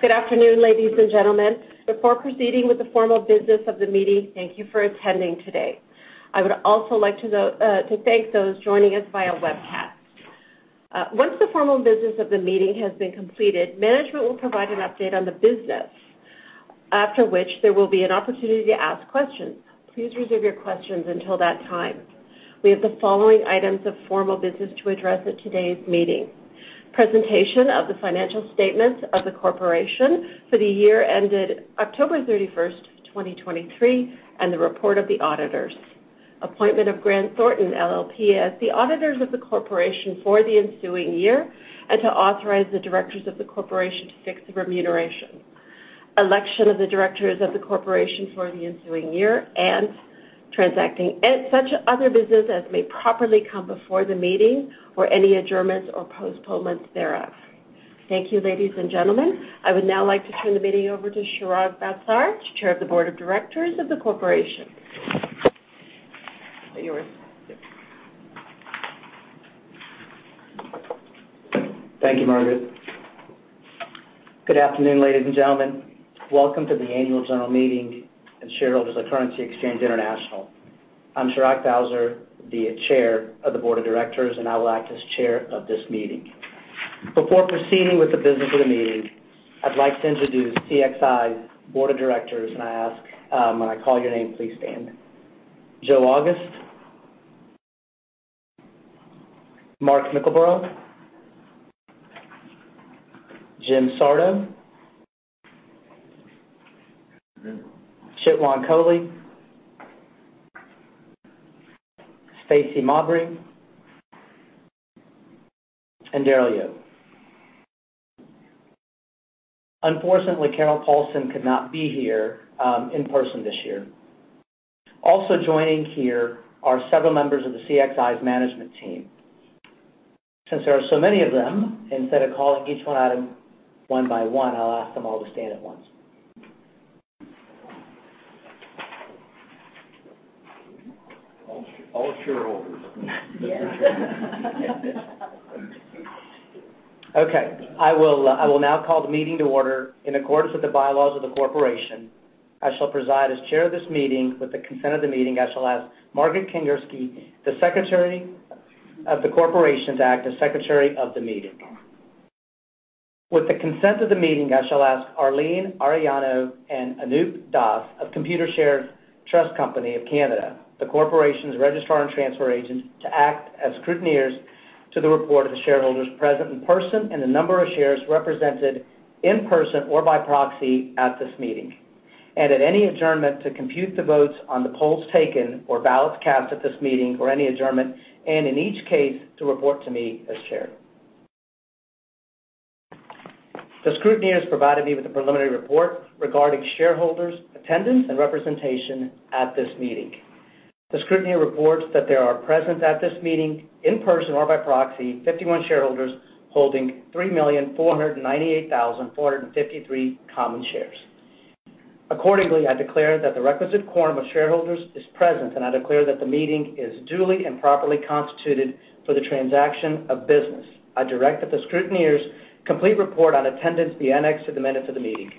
Good afternoon, ladies and gentlemen. Before proceeding with the formal business of the meeting, thank you for attending today. I would also like to thank those joining us via webcast. Once the formal business of the meeting has been completed, management will provide an update on the business, after which there will be an opportunity to ask questions. Please reserve your questions until that time. We have the following items of formal business to address at today's meeting. Presentation of the financial statements of the corporation for the year ended October 31st, 2023, and the report of the auditors. Appointment of Grant Thornton LLP as the auditors of the corporation for the ensuing year and to authorize the directors of the corporation to fix the remuneration. Election of the directors of the corporation for the ensuing year and transacting such other business as may properly come before the meeting or any adjournaments or postponements thereof. Thank you, ladies and gentlemen. I would now like to turn the meeting over to Chirag Bhavsar, Chair of the Board of Directors of the corporation. Is that yours? Yep. Thank you, Margaret Kingerski. Good afternoon, ladies and gentlemen. Welcome to the annual general meeting of shareholders of Currency Exchange International. I'm Chirag Bhavsar, the chair of the board of directors, and I will act as chair of this meeting. Before proceeding with the business of the meeting, I'd like to introduce CXI's board of directors, and I ask when I call your name, please stand. Joe August. Mark Mickleborough. Jim Sardo. Chitwant Kohli. Stacey Mowbray, and Daryl Yeo. Unfortunately, Carol Poulsen could not be here in person this year. Also joining here are several members of the CXI's management team. Since there are so many of them, instead of calling each one out one by one, I'll ask them all to stand at once. All shareholders. Yes. Okay. I will now call the meeting to order. In accordance with the bylaws of the corporation, I shall preside as Chair of this meeting. With the consent of the meeting, I shall ask Margaret Kingerski, the Secretary of the corporations to act, as secretary of the meeting. With the consent of the meeting, I shall ask Arlene Arellano and Anup Das of Computershare Trust Company of Canada, the corporation's registrar and transfer agent, to act as scrutineers to report on the shareholders present in person and the number of shares represented in person or by proxy at this meeting. At any adjournment to compute the votes on the polls taken or ballots cast at this meeting or any adjournment, and in each case to report to me as Chair. The scrutineers provided me with a preliminary report regarding shareholders' attendance and representation at this meeting. The scrutineer reports that there are present at this meeting, in person or by proxy, 51 shareholders holding 3,498,453 common shares. Accordingly, I declare that the requisite quorum of shareholders is present, and I declare that the meeting is duly and properly constituted for the transaction of business. I direct that the scrutineers' complete report on attendance be annexed to the minutes of the meeting.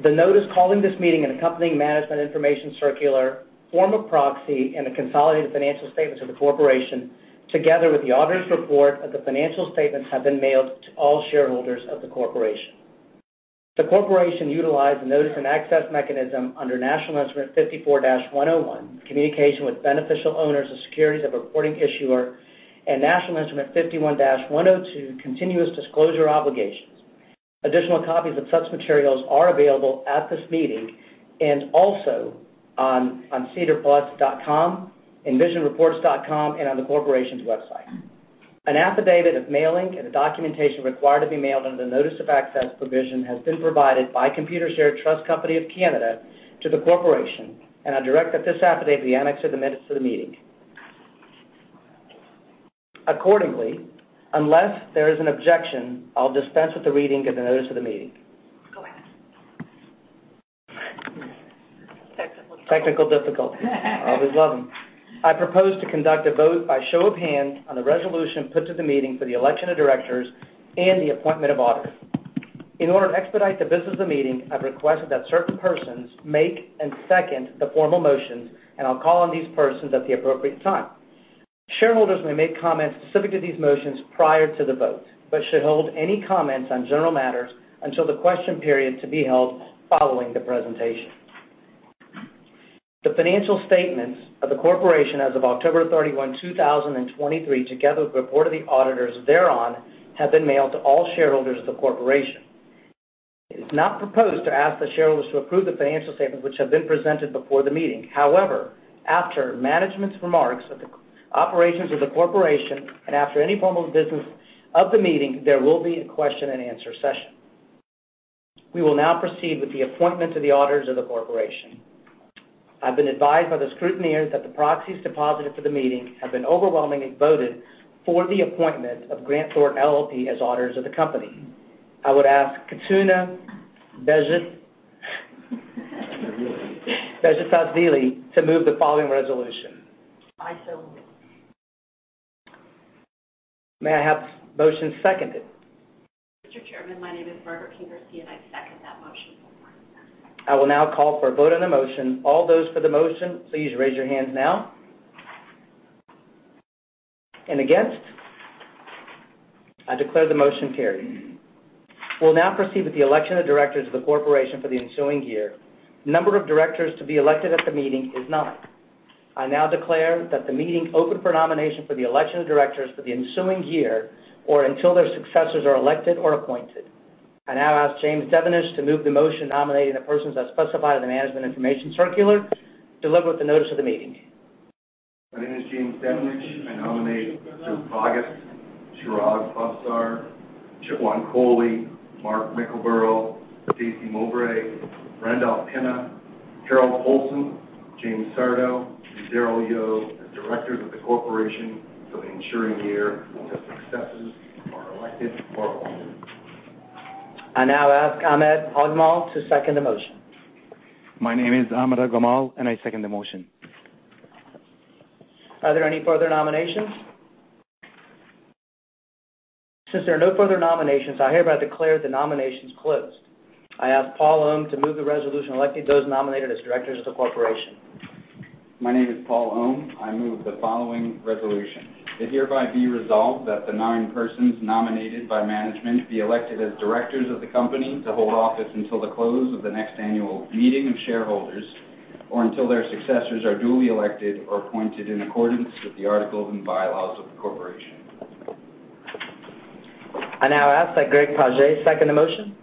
The notice calling this meeting and accompanying management information circular, form of proxy, and the consolidated financial statements of the corporation, together with the auditor's report of the financial statements, have been mailed to all shareholders of the corporation. The corporation utilized the notice and access mechanism under National Instrument 54-101, Communication with Beneficial Owners of Securities of a Reporting Issuer, and National Instrument 51-102, Continuous Disclosure Obligations. Additional copies of such materials are available at this meeting and also on sedarplus.ca, envisionreports.com, and on the corporation's website. An affidavit of mailing and the documentation required to be mailed under the notice of access provision has been provided by Computershare Trust Company of Canada to the corporation, and I direct that this affidavit be annexed to the minutes of the meeting. Accordingly, unless there is an objection, I'll dispense with the reading of the notice of the meeting. Go ahead. Technical difficulty. Technical difficulty. Always love them. I propose to conduct a vote by show of hands on the resolution put to the meeting for the election of directors and the appointment of auditors. In order to expedite the business of the meeting, I've requested that certain persons make and second the formal motions, and I'll call on these persons at the appropriate time. Shareholders may make comments specific to these motions prior to the vote, but should hold any comments on general matters until the question period to be held following the presentation. The financial statements of the corporation as of October 31, 2023, together with the report of the auditors thereon, have been mailed to all shareholders of the corporation. It is not proposed to ask the shareholders to approve the financial statements which have been presented before the meeting. However, after management's remarks of the operations of the corporation and after any formal business of the meeting, there will be a question and answer session. We will now proceed with the appointment of the auditors of the corporation. I've been advised by the scrutineers that the proxies deposited for the meeting have been overwhelmingly voted for the appointment of Grant Thornton LLP as auditors of the company. I would ask Khatuna Bezhitashvili to move the following resolution. I so move. May I have motion seconded? Mr. Chairman, my name is Margaret Kingerski, and I second that motion. I will now call for a vote on the motion. All those for the motion, please raise your hands now. Against. I declare the motion carried. We'll now proceed with the election of directors of the corporation for the ensuing year. The number of directors to be elected at the meeting is nine. I now declare that the meeting is open for nomination for the election of directors for the ensuing year or until their successors are elected or appointed. I now ask James Devenish to move the motion nominating the persons as specified in the management information circular delivered with the notice of the meeting. My name is James Devenish. I nominate Joseph August, Chirag Bhavsar, Chitwant Kohli, Mark Mickleborough, Stacey Mowbray, Randolph W. Pinna, Carol Poulsen, V. James Sardo, and Daryl Yeo as directors of the corporation for the ensuing year until successors are elected or appointed. I now ask Ahmed Agmal to second the motion. My name is Ahmed Agmal, and I second the motion. Are there any further nominations? Since there are no further nominations, I hereby declare the nominations closed. I ask Paul Ohm to move the resolution electing those nominated as directors of the corporation. My name is Paul Ohm. I move the following resolution. It hereby be resolved that the nine persons nominated by management be elected as directors of the company to hold office until the close of the next annual meeting of shareholders or until their successors are duly elected or appointed in accordance with the articles and bylaws of the corporation. I now ask that Greg Page second the motion.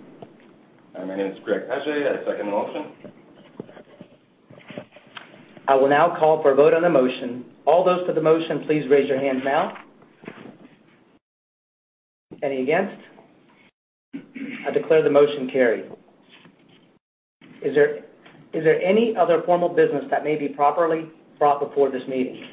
Hi, my name is Greg Page. I second the motion. I will now call for a vote on the motion. All those for the motion, please raise your hands now. Any against? I declare the motion carried. Is there any other formal business that may be properly brought before this meeting?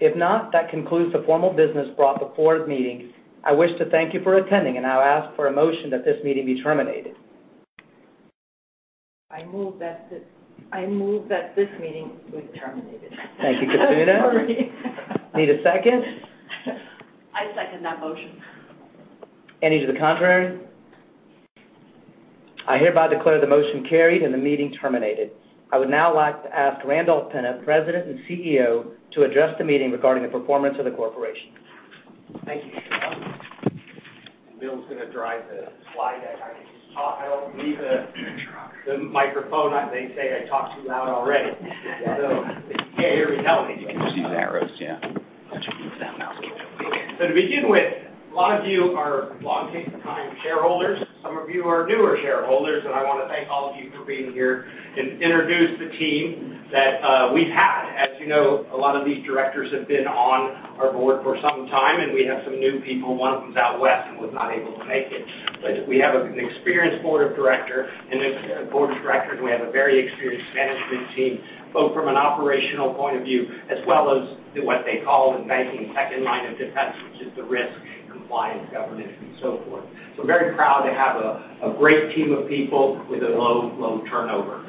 If not, that concludes the formal business brought before this meeting. I wish to thank you for attending, and I'll ask for a motion that this meeting be terminated. I move that this meeting be terminated. Thank you, Khatuna. Sorry. Need a second. I second that motion. Any to the contrary? I hereby declare the motion carried and the meeting terminated. I would now like to ask Randolph Pinna, President and CEO, to address the meeting regarding the performance of the corporation. Thank you. Bill's going to drive the slide. I don't need the microphone. They say I talk too loud already. Can't hear me now anyway. You can just use the arrows, yeah. Just use the mouse. To begin with, a lot of you are long-time shareholders. Some of you are newer shareholders, and I want to thank all of you for being here and introduce the team that we've had. As you know, a lot of these directors have been on our board for some time, and we have some new people. One of them is out west and was not able to make it. We have an experienced board of directors, and we have a very experienced management team, both from an operational point of view as well as what they call in banking second line of defense, which is the risk and compliance, governance, and so forth. We're very proud to have a great team of people with a low turnover.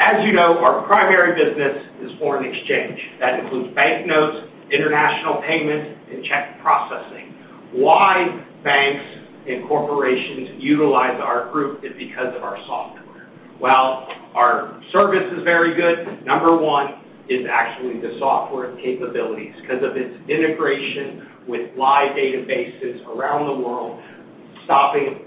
As you know, our primary business is foreign exchange. That includes banknotes, international payment, and check processing. Why banks and corporations utilize our group is because of our software. While our service is very good, number one is actually the software capabilities because of its integration with live databases around the world, stopping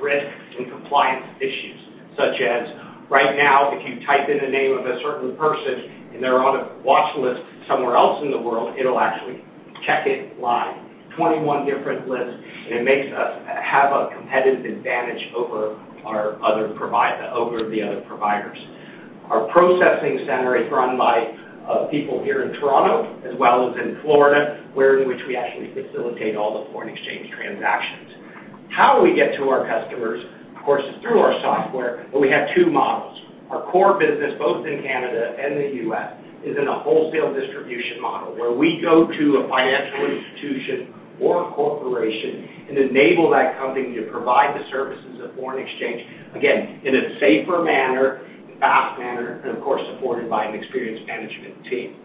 risk and compliance issues, such as right now, if you type in the name of a certain person and they're on a watch list somewhere else in the world, it'll actually check it live. 21 different lists, and it makes us have a competitive advantage over the other providers. Our processing center is run by people here in Toronto as well as in Florida, where in which we actually facilitate all the foreign exchange transactions. How we get to our customers, of course, is through our software, but we have two models. Our core business, both in Canada and the U.S., is in a wholesale distribution model where we go to a financial institution or a corporation and enable that company to provide the services of foreign exchange, again, in a safer manner, fast manner, and of course, supported by an experienced management team.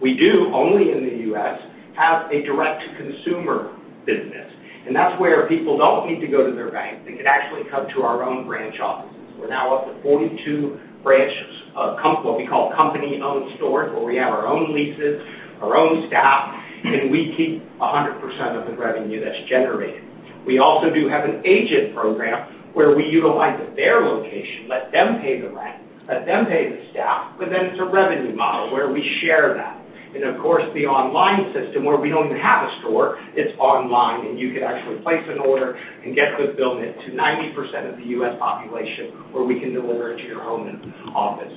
We do, only in the U.S., have a direct-to-consumer business, and that's where people don't need to go to their banks. They can actually come to our own branch offices. We're now up to 42 branches of what we call company-owned stores, where we have our own leases, our own staff, and we keep 100% of the revenue that's generated. We also do have an agent program where we utilize their location, let them pay the rent, let them pay the staff, but then it's a revenue model where we share that. Of course, the online system where we don't even have a store, it's online and you can actually place an order and get the bills to 90% of the U.S. population where we can deliver it to your home and office.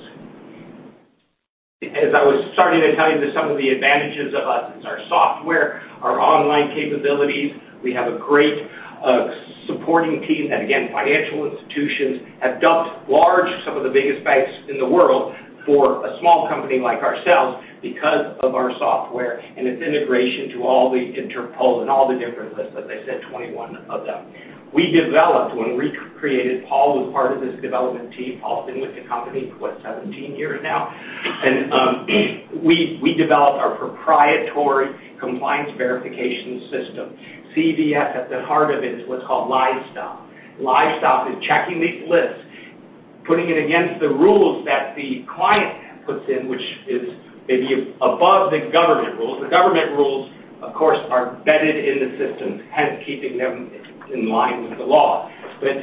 As I was starting to tell you some of the advantages of us is our software, our online capabilities. We have a great supporting team that, again, financial institutions have dumped large, some of the biggest banks in the world, for a small company like ourselves because of our software and its integration to all the Interpol and all the different lists, like I said, 21 of them. We developed. Paul was part of this development team. Paul's been with the company for, what, 17 years now. We developed our proprietary compliance verification system. CVS, at the heart of it, is what's called Live Stop. Live Stop is checking these lists, putting it against the rules that the client puts in, which is maybe above the government rules. The government rules, of course, are embedded in the systems, hence keeping them in line with the law.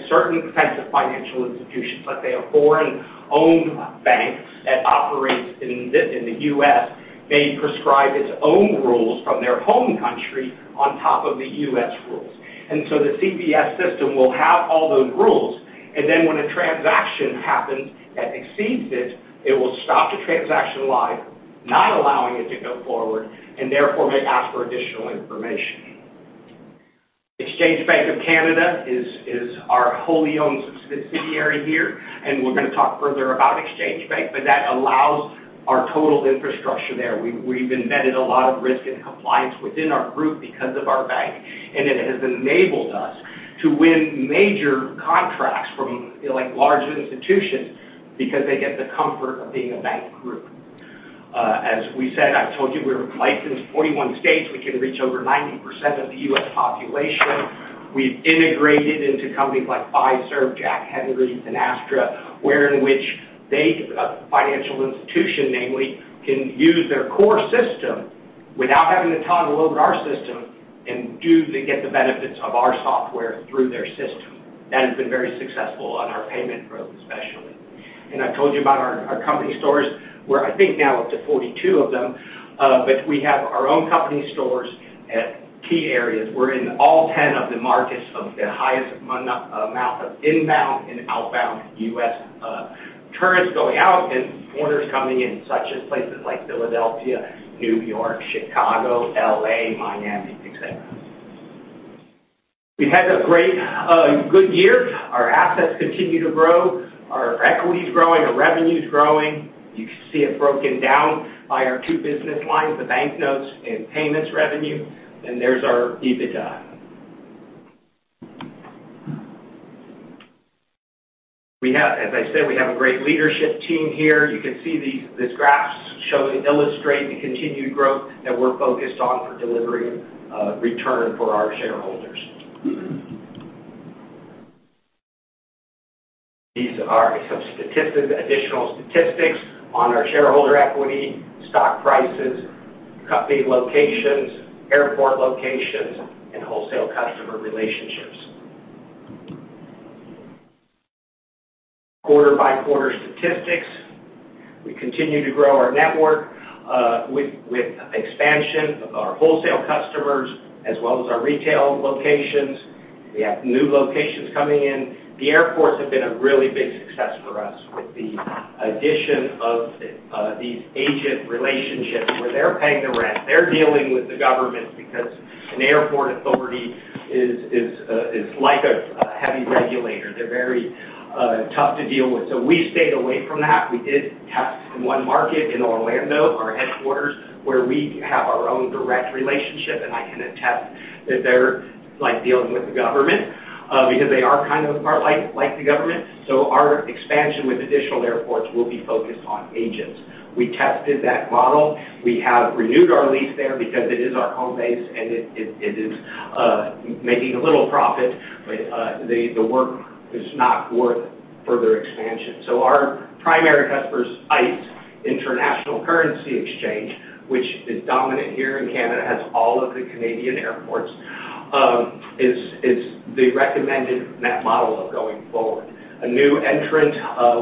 Certain types of financial institutions, like a foreign-owned bank that operates in the U.S., may prescribe its own rules from their home country on top of the U.S. rules. The CVS system will have all those rules, and then when a transaction happens that exceeds it will stop the transaction live, not allowing it to go forward, and therefore may ask for additional information. Exchange Bank of Canada is our wholly-owned subsidiary here, and we're going to talk further about Exchange Bank, but that allows our total infrastructure there. We've embedded a lot of risk and compliance within our group because of our bank, and it has enabled us to win major contracts from large institutions because they get the comfort of being a bank group. As we said, I've told you we're licensed in 41 states. We can reach over 90% of the U.S. population. We've integrated into companies like Fiserv, Jack Henry, and Finastra, where in which they, a financial institution namely, can use their core system without having to toggle over to our system and get the benefits of our software through their system. That has been very successful on our payment front, especially. I've told you about our company stores. We're, I think, now up to 42 of them. We have our own company stores at key areas. We're in all 10 of the markets of the highest amount of inbound and outbound U.S. tourists going out and foreigners coming in, such as places like Philadelphia, New York, Chicago, L.A., Miami, et cetera. We've had a great, good year. Our assets continue to grow. Our equity's growing. Our revenue's growing. You can see it broken down by our two business lines, the banknotes and payments revenue, and there's our EBITDA. We have, as I said, a great leadership team here. You can see these graphs show and illustrate the continued growth that we're focused on for delivering return for our shareholders. These are some additional statistics on our shareholder equity, stock prices, company locations, airport locations, and wholesale customer relationships. Quarter-by-quarter statistics. We continue to grow our network with expansion of our wholesale customers as well as our retail locations. We have new locations coming in. The airports have been a really big success for us with the addition of these agent relationships where they're paying the rent. They're dealing with the government because an airport authority is like a heavy regulator. They're very tough to deal with. We stayed away from that. We did test in one market in Orlando, our headquarters, where we have our own direct relationship, and I can attest that they're like dealing with the government because they are kind of like the government. Our expansion with additional airports will be focused on agents. We tested that model. We have renewed our lease there because it is our home base, and it is making a little profit, but the work is not worth further expansion. Our primary customer is ICE, International Currency Exchange, which is dominant here in Canada, has all of the Canadian airports. It's the recommended net model of going forward. A new entrant,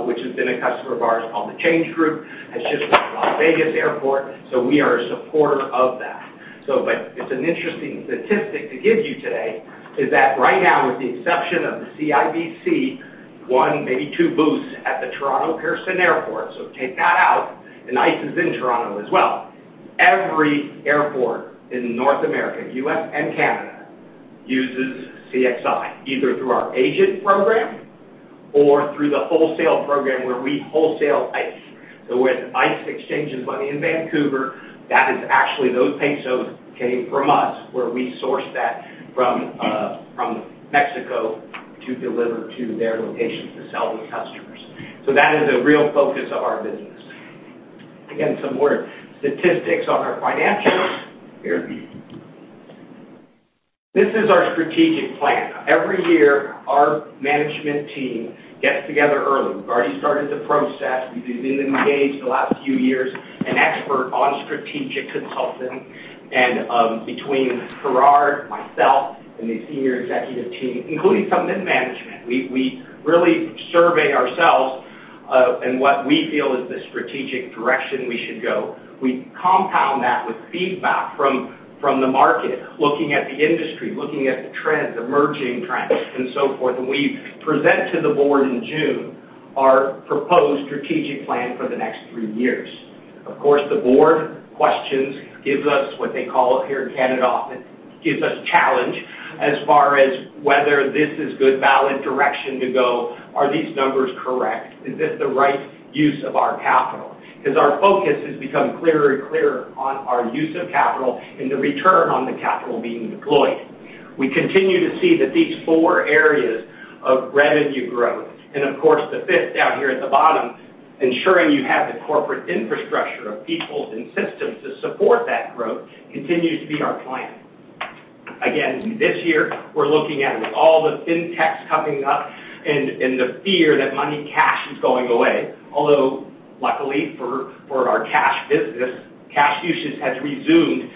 which has been a customer of ours called The Change Group, has just opened at Vegas airport, so we are a supporter of that. It's an interesting statistic to give you today, is that right now, with the exception of the CIBC, one, maybe two booths at the Toronto Pearson Airport, so take that out, and ICE is in Toronto as well. Every airport in North America, U.S. and Canada, uses CXI, either through our agent program or through the wholesale program where we wholesale ICE. When ICE exchanges money in Vancouver, that is actually those pesos came from us, where we source that from Mexico to deliver to their locations to sell to customers. That is a real focus of our business. Again, some more statistics on our financials here. This is our strategic plan. Every year, our management team gets together early. We've already started the process. We've engaged in the last few years an expert on strategic consulting. Between Gerhard, myself, and the senior executive team, including some mid-management, we really survey ourselves and what we feel is the strategic direction we should go. We compound that with feedback from the market, looking at the industry, looking at the trends, emerging trends, and so forth, and we present to the board in June. Our proposed strategic plan for the next three years. Of course, the board questions, gives us what they call up here in Canada, often gives us challenge as far as whether this is good, valid direction to go. Are these numbers correct? Is this the right use of our capital? Because our focus has become clearer and clearer on our use of capital and the return on the capital being deployed. We continue to see that these four areas of revenue growth, and of course, the fifth down here at the bottom, ensuring you have the corporate infrastructure of people and systems to support that growth continues to be our plan. Again, this year, we're looking at all the fintechs coming up and the fear that money cash is going away. Although, luckily for our cash business, cash usage has resumed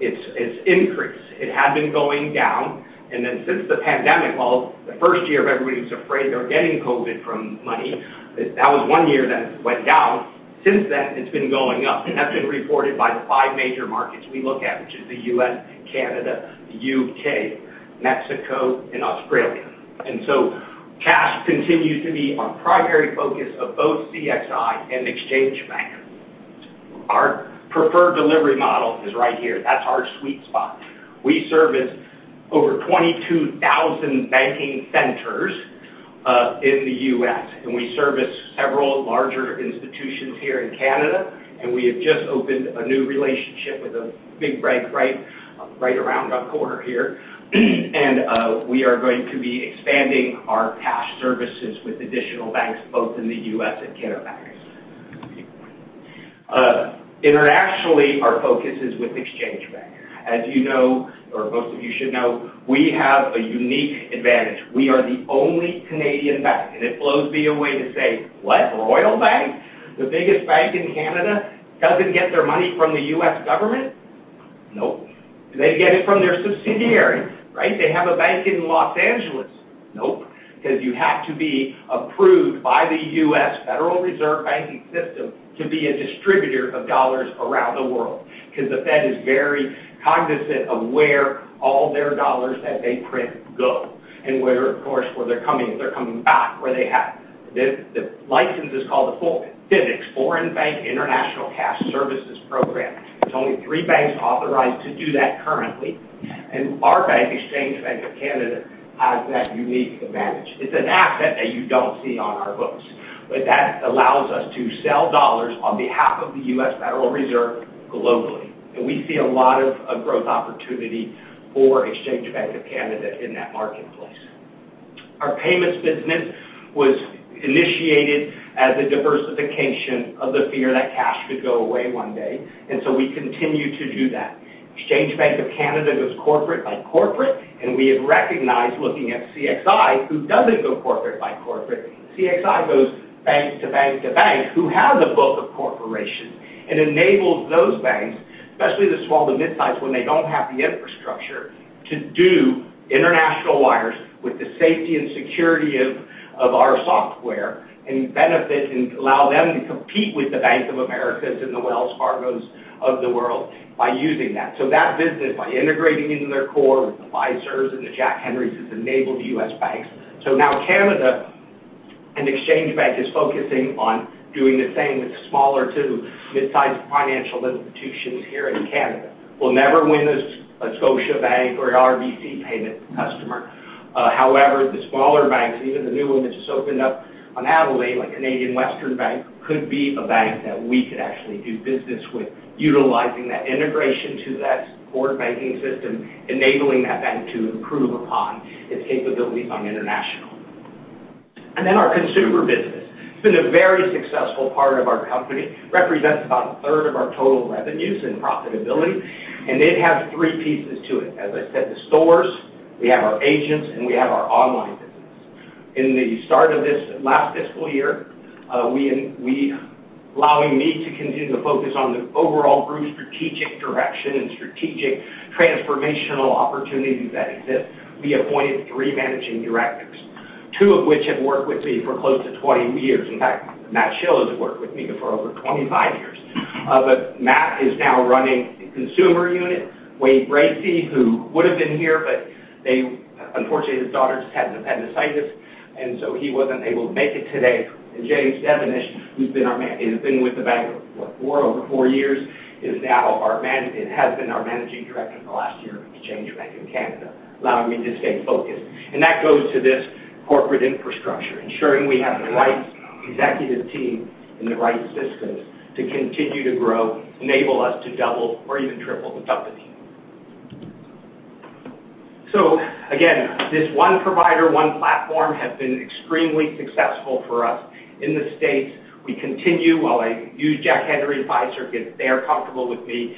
its increase. It had been going down, and then since the pandemic, well, the first year of everybody was afraid they were getting COVID from money, that was one year that it went down. Since then, it's been going up, and that's been reported by the five major markets we look at, which is the U.S., Canada, the U.K., Mexico, and Australia. Cash continues to be our primary focus of both CXI and Exchange Bank. Our preferred delivery model is right here. That's our sweet spot. We service over 22,000 banking centers in the U.S., and we service several larger institutions here in Canada, and we have just opened a new relationship with a big bank right around our corner here. We are going to be expanding our cash services with additional banks both in the U.S. and Canada. Internationally, our focus is with Exchange Bank. As you know, or most of you should know, we have a unique advantage. We are the only Canadian bank, and it blows me away to say, "What? Royal Bank? The biggest bank in Canada doesn't get their money from the U.S. government? Nope. Do they get it from their subsidiary, right? Do they have a bank in Los Angeles? Nope, because you have to be approved by the U.S. Federal Reserve System to be a distributor of dollars around the world because the Fed is very cognizant of where all their dollars that they print go and where, of course, where they're coming. They're coming back where they have. The license is called the FBICS, Foreign Bank International Cash Services program. There's only three banks authorized to do that currently, and our bank, Exchange Bank of Canada, has that unique advantage. It's an asset that you don't see on our books, but that allows us to sell dollars on behalf of the U.S. Federal Reserve globally. We see a lot of growth opportunity for Exchange Bank of Canada in that marketplace. Our payments business was initiated as a diversification of the fear that cash could go away one day, and so we continue to do that. Exchange Bank of Canada goes corporate by corporate, and we have recognized looking at CXI, who doesn't go corporate by corporate. CXI goes bank to bank to bank, who has a book of corporation, and enables those banks, especially the small to mid-size, when they don't have the infrastructure, to do international wires with the safety and security of our software and benefit and allow them to compete with the Bank of America and the Wells Fargo of the world by using that. That business, by integrating into their core with the Fiserv and the Jack Henry & Associates, has enabled U.S. banks. Now Exchange Bank of Canada is focusing on doing the same with smaller to mid-size financial institutions here in Canada. We'll never win a Scotiabank or RBC payment customer. However, the smaller banks, even the new one that just opened up on Adelaide, like Canadian Western Bank, could be a bank that we could actually do business with, utilizing that integration to that core banking system, enabling that bank to improve upon its capabilities on international. Then our consumer business. It's been a very successful part of our company, represents about a third of our total revenues and profitability, and it has three pieces to it. As I said, the stores, we have our agents, and we have our online business. In the start of this last fiscal year, allowing me to continue to focus on the overall group strategic direction and strategic transformational opportunities that exist, we appointed three managing directors, two of which have worked with me for close to 20 years. In fact, Matt Schillo has worked with me for over 25 years. Matt is now running the consumer unit. Wade Bracy, who would have been here, but unfortunately, his daughter just had appendicitis, and so he wasn't able to make it today. James Devenish, who's been our man. He's been with the bank over four years, is now our man, and has been our managing director for the last year of Exchange Bank of Canada, allowing me to stay focused. That goes to this corporate infrastructure, ensuring we have the right executive team and the right systems to continue to grow, enable us to double or even triple the company. Again, this one provider, one platform has been extremely successful for us in the States. We continue. While I use Jack Henry and Fiserv because they are comfortable with me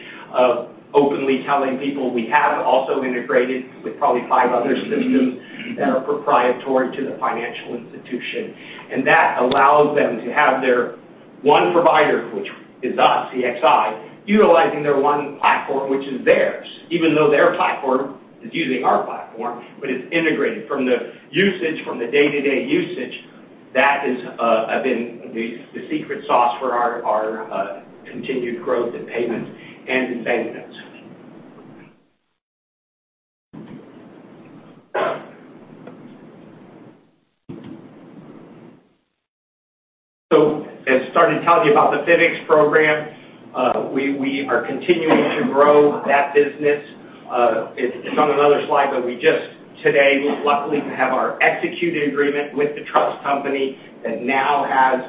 openly telling people, we have also integrated with probably five other systems that are proprietary to the financial institution. That allows them to have their one provider, which is us, CXI, utilizing their one platform, which is theirs, even though their platform is using our platform, but it's integrated. From the usage, from the day-to-day usage, that has been the secret sauce for our continued growth in payments and in bank notes. I started telling you about the FinEx program. We are continuing to grow that business. It's on another slide, but we just today luckily have our executed agreement with the trust company that now has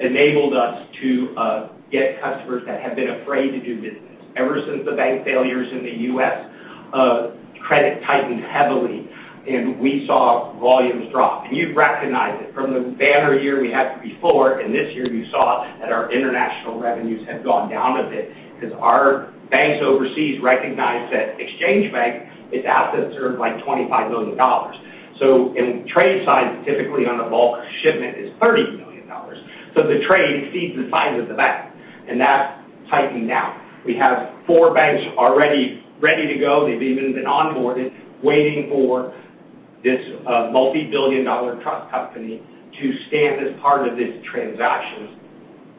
enabled us to get customers that have been afraid to do business. Ever since the bank failures in the U.S., credit tightened heavily, and we saw volumes drop. You'd recognize it from the banner year we had before, and this year you saw that our international revenues have gone down a bit because our banks overseas recognized that Exchange Bank, its assets are like $25 million. In trade size, typically on a bulk shipment is $30 million. The trade exceeds the size of the bank, and that's tightened down. We have four banks all ready to go. They've even been onboarded, waiting for this multi-billion-dollar trust company to stand as part of these transactions,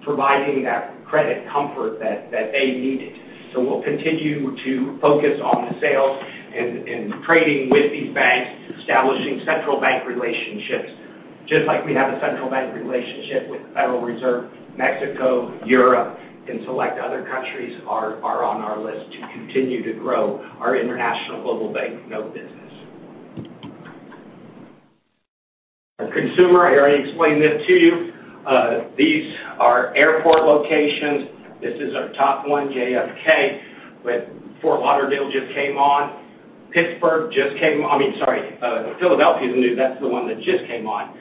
providing that credit comfort that they needed. We'll continue to focus on the sales and trading with these banks, establishing central bank relationships. Just like we have a central bank relationship with the Federal Reserve, Mexico, Europe, and select other countries are on our list to continue to grow our international global bank note business. Our consumer, I already explained this to you. These are airport locations. This is our top one, JFK, but Fort Lauderdale just came on. I mean, sorry, Philadelphia is the new. That's the one that just came on.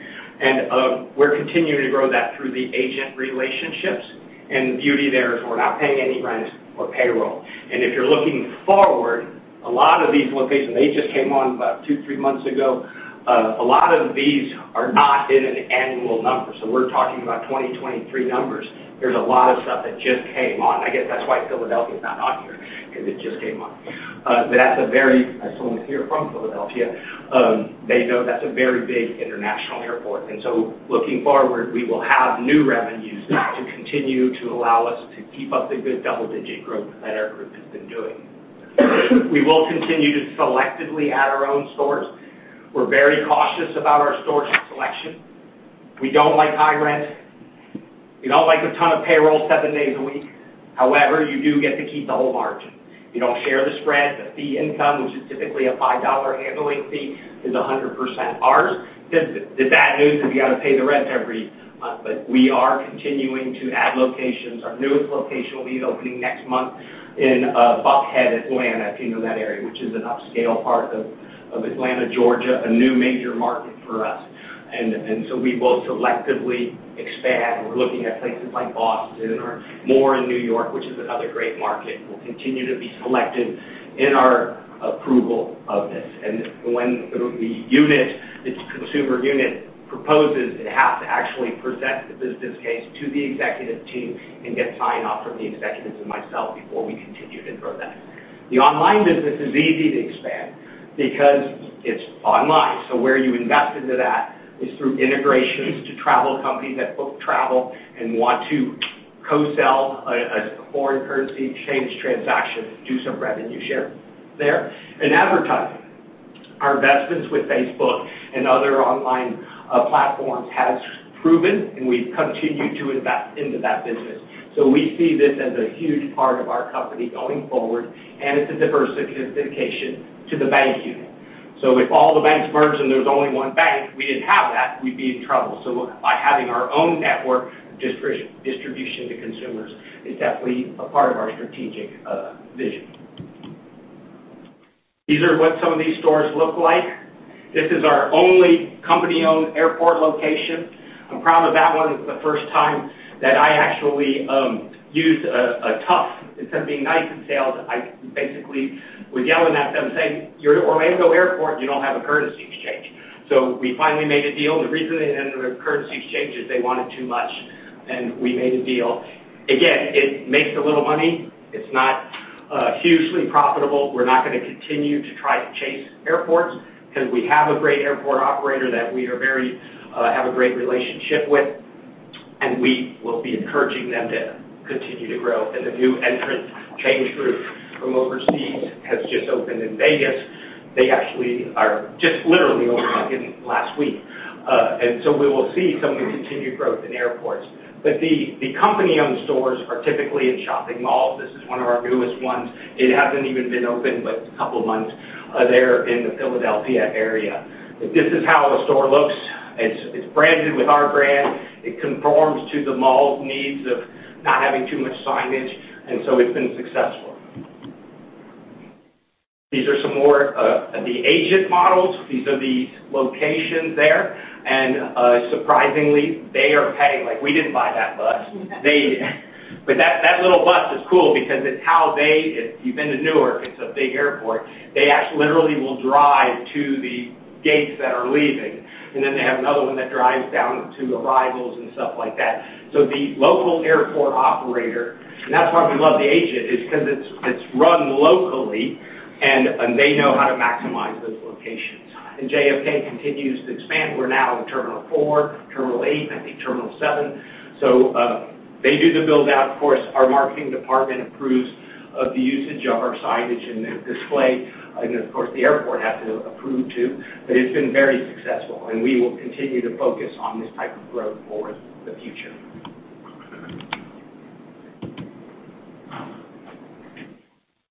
We're continuing to grow that through the agent relationships. The beauty there is we're not paying any rent or payroll. If you're looking forward, a lot of these locations, they just came on about two, three months ago. A lot of these are not in an annual number. We're talking about 2023 numbers. There's a lot of stuff that just came on. I guess that's why Philadelphia is not on here, because it just came on. As someone here from Philadelphia, they know that's a very big international airport. Looking forward, we will have new revenues to continue to allow us to keep up the good double-digit growth that our group has been doing. We will continue to selectively add our own stores. We're very cautious about our store selection. We don't like high rent. We don't like a ton of payroll seven days a week. However, you do get to keep the whole margin. You don't share the spread. The fee income, which is typically a $5 handling fee, is 100% ours. The bad news is you got to pay the rent every month. We are continuing to add locations. Our newest location will be opening next month in Buckhead, Atlanta, if you know that area, which is an upscale part of Atlanta, Georgia, a new major market for us. We will selectively expand. We're looking at places like Boston or more in New York, which is another great market. We'll continue to be selective in our approval of this. When the unit, this consumer unit proposes, it has to actually present the business case to the executive team and get sign-off from the executives and myself before we continue to grow that. The online business is easy to expand because it's online. Where you invest into that is through integrations to travel companies that book travel and want to co-sell a foreign currency exchange transaction and do some revenue share there. In advertising, our investments with Facebook and other online platforms has proven, and we've continued to invest into that business. We see this as a huge part of our company going forward, and it's a diversification to the bank unit. If all the banks merge and there's only one bank, we didn't have that, we'd be in trouble. By having our own network distribution to consumers is definitely a part of our strategic vision. These are what some of these stores look like. This is our only company-owned airport location. I'm proud of that one. It's the first time that I actually, instead of being nice in sales, I basically was yelling at them saying, "You're in Orlando Airport. You don't have a currency exchange." We finally made a deal. The reason they didn't have a currency exchange is they wanted too much, and we made a deal. Again, it makes a little money. It's not hugely profitable. We're not going to continue to try to chase airports because we have a great airport operator that we have a great relationship with, and we will be encouraging them to continue to grow. The new entrant Change Group from overseas has just opened in Vegas. They actually are just literally opened up in last week. We will see some continued growth in airports. The company-owned stores are typically in shopping malls. This is one of our newest ones. It hasn't even been open but a couple of months there in the Philadelphia area. This is how a store looks. It's branded with our brand. It conforms to the mall's needs of not having too much signage, and so it's been successful. These are some more of the agent models. These are the locations there. Surprisingly, they are paying. We didn't buy that bus. They did. That little bus is cool because it's how they. If you've been to Newark, it's a big airport. They literally will drive to the gates that are leaving, and then they have another one that drives down to arrivals and stuff like that. The local airport operator, and that's why we love the agent, is because it's run locally, and they know how to maximize those locations. JFK continues to expand. We're now in Terminal 4, Terminal 8, I think Terminal 7. They do the build-out. Of course, our marketing department approves of the usage of our signage and display. Of course, the airport has to approve, too. It's been very successful, and we will continue to focus on this type of growth for the future.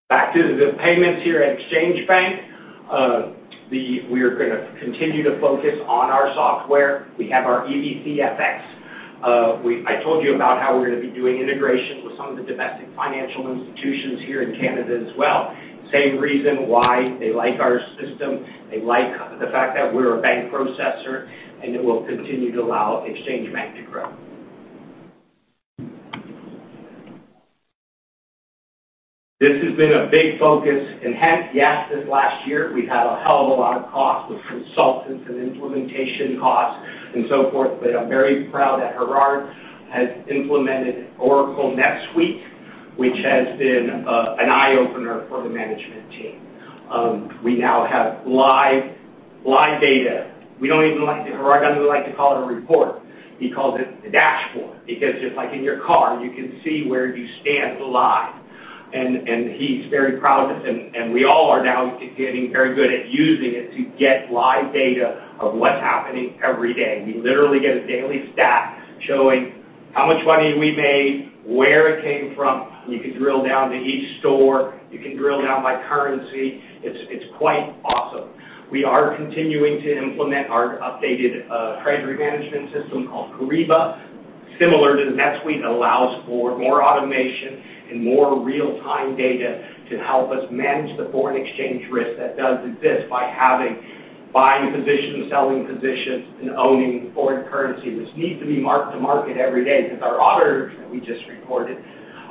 Back to the payments here at Exchange Bank. We are going to continue to focus on our software. We have our EBC-FX. I told you about how we're going to be doing integration with some of the domestic financial institutions here in Canada as well. Same reason why they like our system. They like the fact that we're a bank processor, and it will continue to allow Exchange Bank to grow. This has been a big focus. Hence, yes, this last year, we've had a hell of a lot of costs with consultants and implementation costs and so forth. I'm very proud that Gerhard has implemented Oracle NetSuite, which has been an eye-opener for the management team. We now have live data. Gerhard doesn't like to call it a report. He calls it the dashboard because just like in your car, you can see where you stand live. He's very proud of this, and we all are now getting very good at using it to get live data of what's happening every day. We literally get a daily stat showing how much money we made, where it came from. We can drill down to each store. You can drill down by currency. It's quite awesome. We are continuing to implement our updated treasury management system called Kyriba. Similar to NetSuite, it allows for more automation and more real-time data to help us manage the foreign exchange risk that does exist by buying positions, selling positions, and owning foreign currency, which need to be mark-to-market every day because our auditors, that we just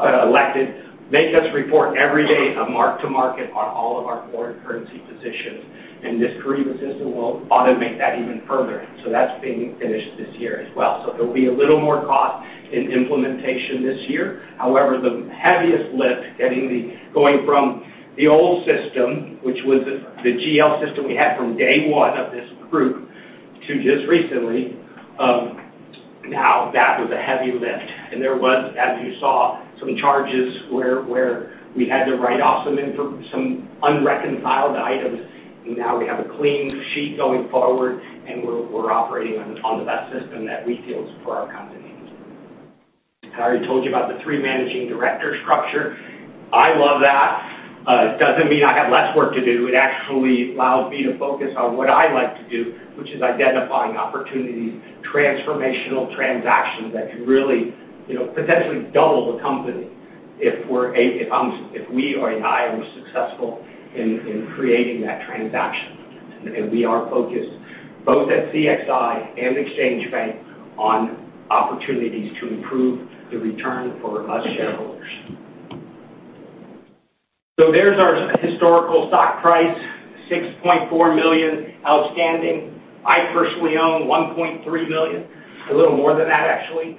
elected, make us report every day a mark-to-market on all of our foreign currency positions. This Kyriba system will automate that even further. That's being finished this year as well. There'll be a little more cost in implementation this year. However, the heaviest lift, going from the old system, which was the GL system we had from day one of this group to just recently, now that was a heavy lift. There was, as you saw, some charges where we had to write off some unreconciled items. Now we have a clean sheet going forward, and we're operating on the best system that we feel is for our company. I already told you about the three managing director structure. I love that. It doesn't mean I have less work to do. It actually allows me to focus on what I like to do, which is identifying opportunities, transformational transactions that can really potentially double the company if we or I am successful in creating that transaction. We are focused both at CXI and Exchange Bank on opportunities to improve the return for us shareholders. There's our historical stock price, 6.4 million outstanding. I personally own 1.3 million. A little more than that actually.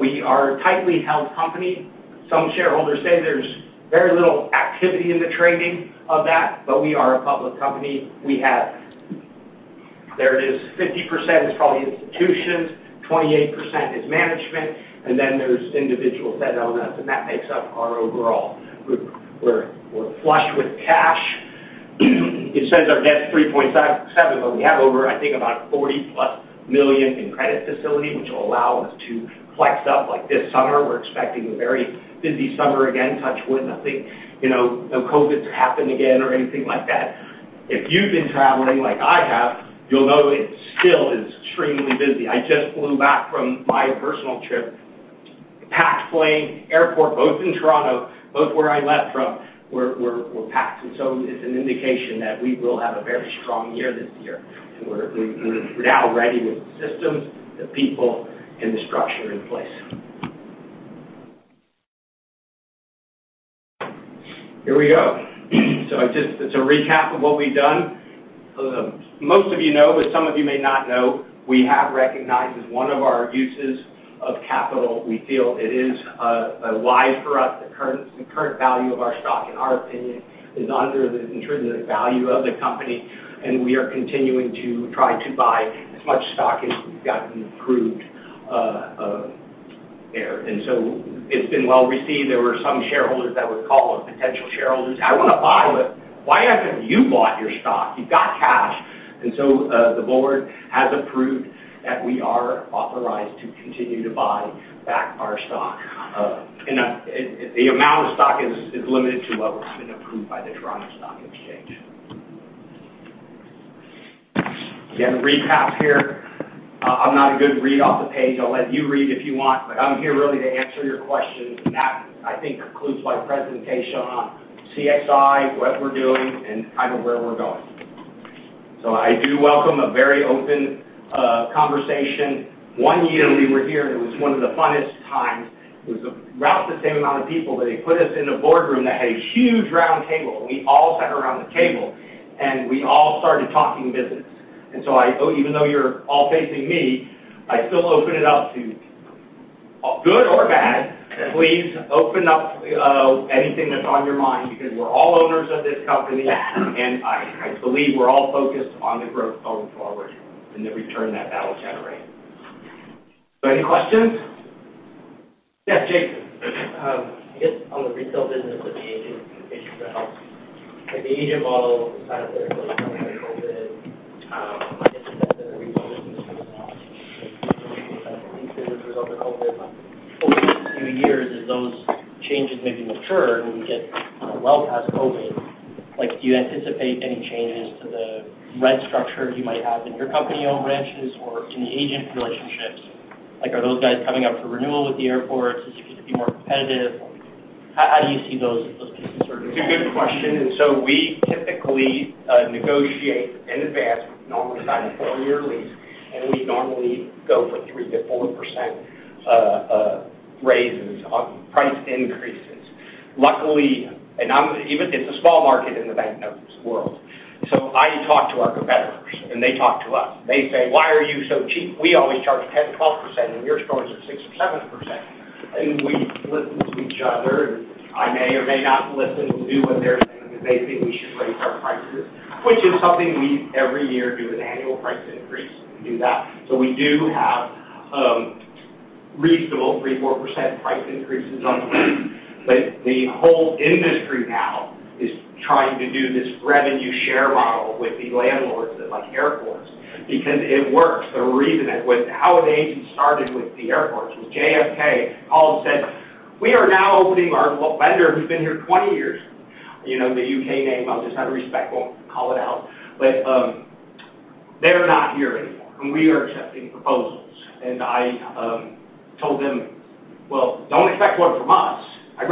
We are a tightly held company. Some shareholders say there's very little activity in the trading of that, but we are a public company. There it is, 50% is probably institutions, 28% is management, and then there's individuals that own it, and that makes up our overall group. We're flush with cash. It says our debt is 3.7, but we have over, I think, about 40+ million in credit facility, which will allow us to flex up. Like this summer, we're expecting a very busy summer again, touch wood. Nothing, no COVID to happen again or anything like that. If you've been traveling like I have, you'll know it still is extremely busy. I just flew back from my personal trip, packed plane, airport, both in Toronto, both where I left from were packed. It's an indication that we will have a very strong year this year. We're now ready with the systems, the people, and the structure in place. Here we go. It's a recap of what we've done. Most of you know, but some of you may not know, we have recognized as one of our uses of capital, we feel it is a why for us, the current value of our stock, in our opinion, is under the intrinsic value of the company, and we are continuing to try to buy as much stock as we've gotten approved there. It's been well-received. There were some shareholders that would call up, potential shareholders, "I want to buy, but why haven't you bought your stock? You've got cash." The board has approved that we are authorized to continue to buy back our stock. The amount of stock is limited to what has been approved by the Toronto Stock Exchange. Again, a recap here. I'm not a good read-off-the-page. I'll let you read if you want, but I'm here really to answer your questions. That, I think, concludes my presentation on CXI, what we're doing, and kind of where we're going. I do welcome a very open conversation. One year we were here, and it was one of the funnest times. It was about the same amount of people, but they put us in a boardroom that had a huge round table, and we all sat around the table and we all started talking business. Even though you're all facing me, I still open it up to good or bad. Please open up anything that's on your mind because we're all owners of this company, and I believe we're all focused on the growth going forward and the return that that'll generate. Any questions? Yeah. Jake, I guess on the retail business with the agent. [inaudible] Like the agent model is kind of COVID result of COVID. Over the next few years as those changes maybe mature and we get well past COVID, do you anticipate any changes to the rent structure you might have in your company-owned branches or in the agent relationships? Are those guys coming up for renewal with the airports? Is it going to be more competitive? How do you see those pieces sort of? It's a good question. We typically negotiate in advance. We normally sign a four year lease, and we normally go for 3%-4% raises on price increases. Luckily, it's a small market in the banknotes world. I talk to our competitors, and they talk to us, and they say, "Why are you so cheap? We always charge 10%, 12%, and you're still at 6% or 7%." We listen to each other, and I may or may not listen or do what they're saying, because they think we should raise our prices, which is something we every year do an annual price increase. We do that. We do have reasonable 3%, 4% price increases on them. The whole industry now is trying to do this revenue share model with the landlords at airports because it works. How an agent started with the airports was JFK called and said, "Vendor who's been here 20 years," the U.K. name. I'll just out of respect, won't call it out. "But they're not here anymore, and we are accepting proposals." I told them, "Well, don't expect one from us. I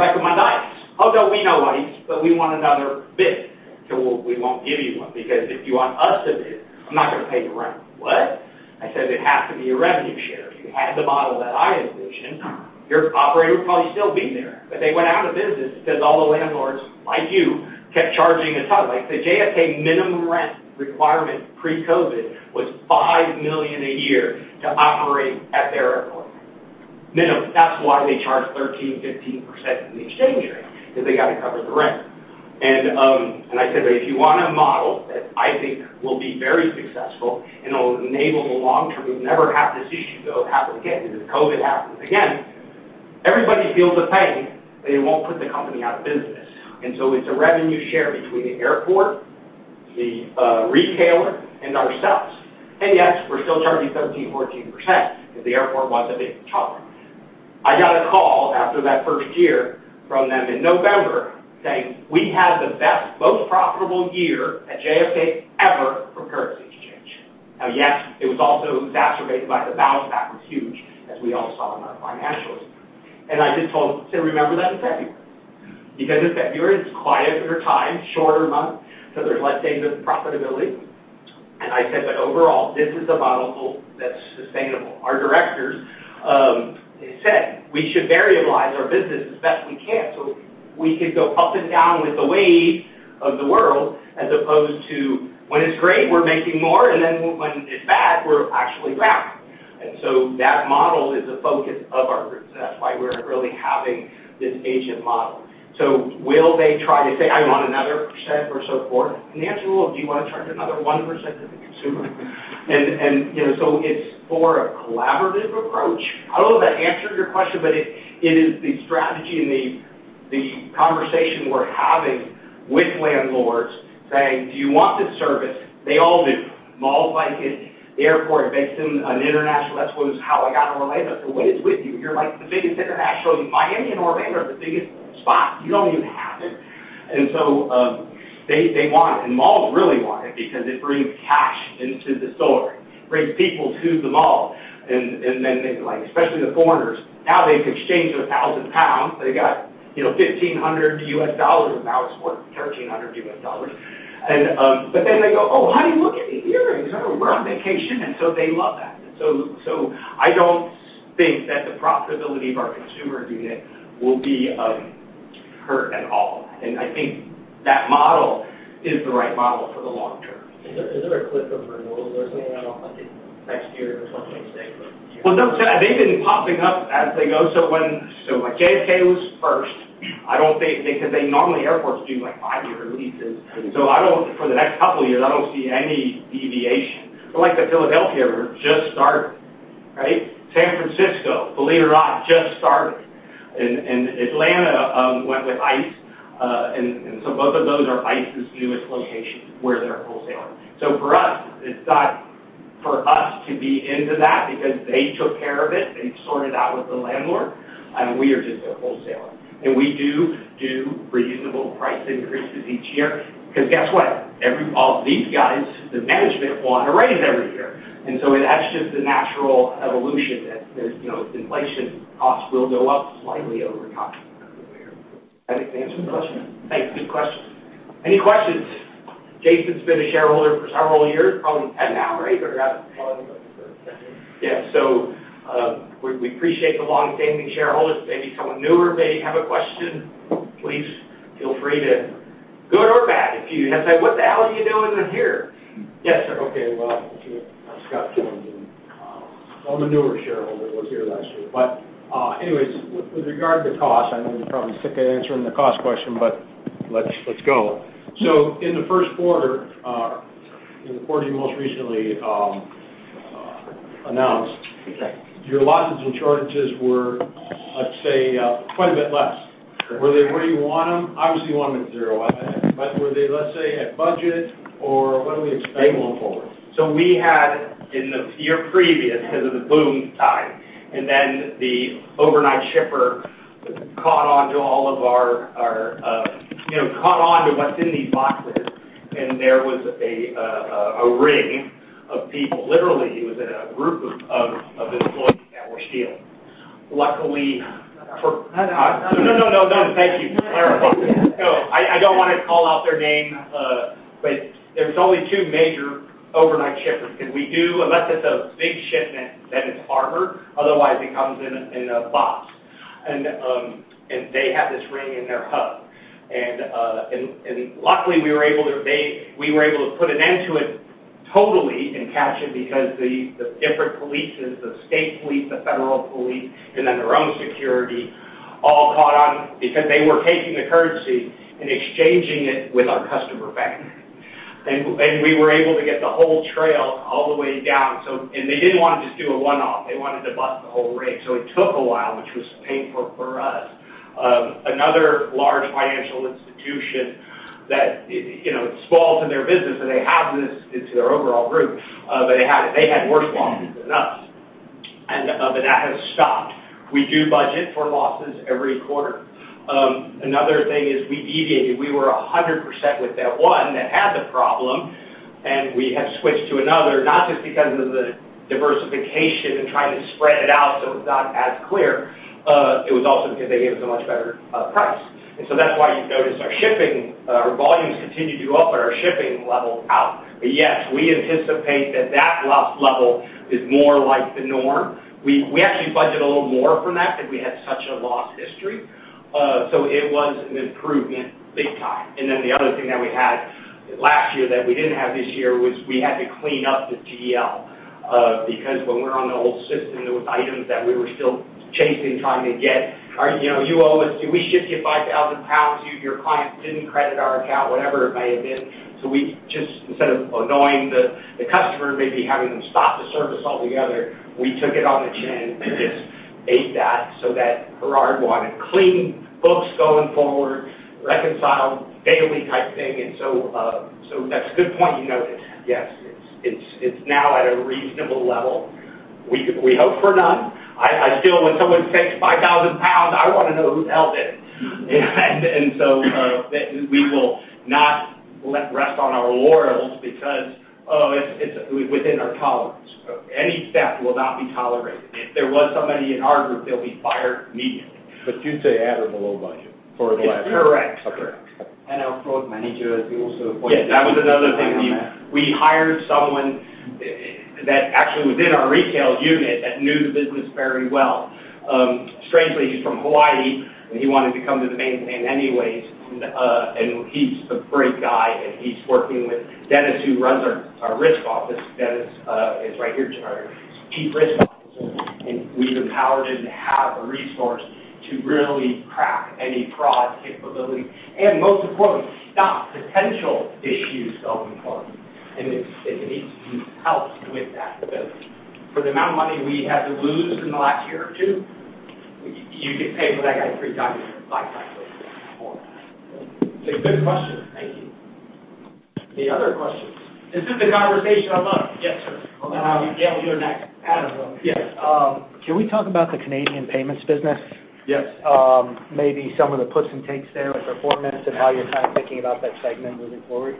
recommend ICE." "Oh, no, we know ICE, but we want another bid." I said, "Well, we won't give you one, because if you want us to bid, I'm not going to pay the rent." "What?" I said, "It has to be a revenue share. If you had the model that I envision, your operator would probably still be there. But they went out of business because all the landlords, like you, kept charging a ton." The JFK minimum rent requirement pre-COVID was $5 million a year to operate at their airport, minimum. That's why they charge 13%, 15% in the exchange rate, because they got to cover the rent. I said, "But if you want a model that I think will be very successful and it'll enable the long-term, you'll never have this issue to happen again, because if COVID happens again, everybody feels the pain, but it won't put the company out of business." It's a revenue share between the airport, the retailer, and ourselves. Yes, we're still charging 13%, 14% because the airport wants a big chunk. I got a call after that first year from them in November saying, "We had the best, most profitable year at JFK ever for currency exchange." Now, yes, it was also exacerbated by the bounce back was huge, as we all saw in our financials. I just told them, "Remember that in February," because in February, it's a quieter time, shorter month, so there's less days of profitability. I said, "But overall, this is a model that's sustainable." Our directors, they said we should variabilize our business as best we can, so we could go up and down with the wave of the world, as opposed to when it's great, we're making more, and then when it's bad, we're actually wrapped. that model is the focus of our group. that's why we're really having this agent model. will they try to say, "I want another percent or so forth"? the answer is, well, do you want to charge another 1% to the consumer? it's for a collaborative approach. I don't know if that answered your question, but it is the strategy and the conversation we're having with landlords saying, "Do you want this service?" They all do. Malls like it. The airport based in an international. That's how I got in L.A. I said, "What is with you? You're like the biggest international. Miami and Orlando are the biggest spots. You don't even have it." They want it, and malls really want it because it brings cash into the store, brings people to the mall. Especially the foreigners, now they've exchanged their 1,000 pounds, they got $1,500, now it's worth $1,300. They go, "Oh, honey, look at the earrings. We're on vacation." They love that. I don't think that the profitability of our consumer unit will be hurt at all. I think that model is the right model for the long term. Is there a clip of renewals or something? I don't know if next year or 2026 or. Well, they've been popping up as they go. JFK was first. Because normally airports do five-year leases. For the next couple of years, I don't see any deviation. Like the Philadelphia we're just starting. San Francisco, believe it or not, just started. Atlanta went with ICE. Both of those are ICE's newest locations where they're a wholesaler. For us, it's not for us to be into that because they took care of it. They sorted it out with the landlord, and we are just a wholesaler. We do reasonable price increases each year, because guess what? All these guys, the management want a raise every year. That's just the natural evolution that with inflation, costs will go up slightly over time. Does that answer the question? Yes. Thanks. Good question. Any questions? Jason's been a shareholder for several years, probably 10 now, right? Yeah. We appreciate the longstanding shareholders. Maybe someone newer may have a question. Please feel free to, good or bad, if you have said, "What the hell are you doing in here?" Yes, sir. Okay. Well, Scott Jones. I'm a newer shareholder, I was here last year. Anyways, with regard to cost, I know you're probably sick of answering the cost question, but let's go. In the first quarter- In the quarter you most recently announced. Okay your losses and shortages were, let's say, quite a bit less. Correct. Were they where you want them? Obviously, you want them at zero. Were they, let's say, at budget? Or what do we expect going forward? We had in the year previous, because of the boom time, and then the overnight shipper caught on to what's in these boxes. There was a ring of people. Literally, it was a group of employees that were stealing. I don't want to call out their name, but there's only two major overnight shippers. Because we do, unless it's a big shipment, then it's armored. Otherwise, it comes in a box. They had this ring in their hub. Luckily, we were able to put an end to it totally and catch it because the different police, the state police, the federal police, and then their own security all caught on because they were taking the currency and exchanging it with our customer bank. We were able to get the whole trail all the way down. They didn't want to just do a one-off. They wanted to bust the whole ring. It took a while, which was painful for us. Another large financial institution that, it's small to their business, but they have this into their overall group, but they had worse losses than us. That has stopped. We do budget for losses every quarter. Another thing is we deviated. We were 100% with that one that had the problem, and we have switched to another, not just because of the diversification and trying to spread it out so it's not as clear. It was also because they gave us a much better price. That's why you've noticed our volumes continue to go up, but our shipping leveled out. Yes, we anticipate that that loss level is more like the norm. We actually budget a little more from that because we had such a loss history. It was an improvement big time. The other thing that we had last year that we didn't have this year was we had to clean up the GL. Because when we're on the old system, there was items that we were still chasing, trying to get. You owe us. We shipped you 5,000 pounds. Your client didn't credit our account, whatever it may have been. We just, instead of annoying the customer, maybe having them stop the service altogether, took it on the chin and just ate that so that Gerhard wanted clean books going forward, reconciled daily type thing. That's a good point you noted. Yes. It's now at a reasonable level. We hope for none. I feel when someone takes 5,000 pounds, I want to know who the hell did it. We will not let rest on our laurels because, "Oh, it's within our tolerance." Any theft will not be tolerated. If there was somebody in our group, they'll be fired immediately. You'd say at or below budget for the last year? It's correct. Okay. Correct. Our fraud manager is also appointed. Yes, that was another thing. We hired someone that actually within our retail unit that knew the business very well. Strangely, he's from Hawaii, and he wanted to come to the mainland anyways. He's a great guy, and he's working with Dennis, who runs our risk office. Dennis is right here tonight. He's Chief Risk Officer, and we've empowered him to have a resource to really crack any fraud capability and, most importantly, stop potential issues going forward. He helps with that ability. For the amount of money we had to lose in the last year or two, you could pay for that guy three times over. It's a good question. Thank you. Any other questions? This is the conversation I love. Yes, sir. Adam, though. Yes. Can we talk about the Canadian payments business? Yes. Maybe some of the puts and takes there with performance and how you're kind of thinking about that segment moving forward.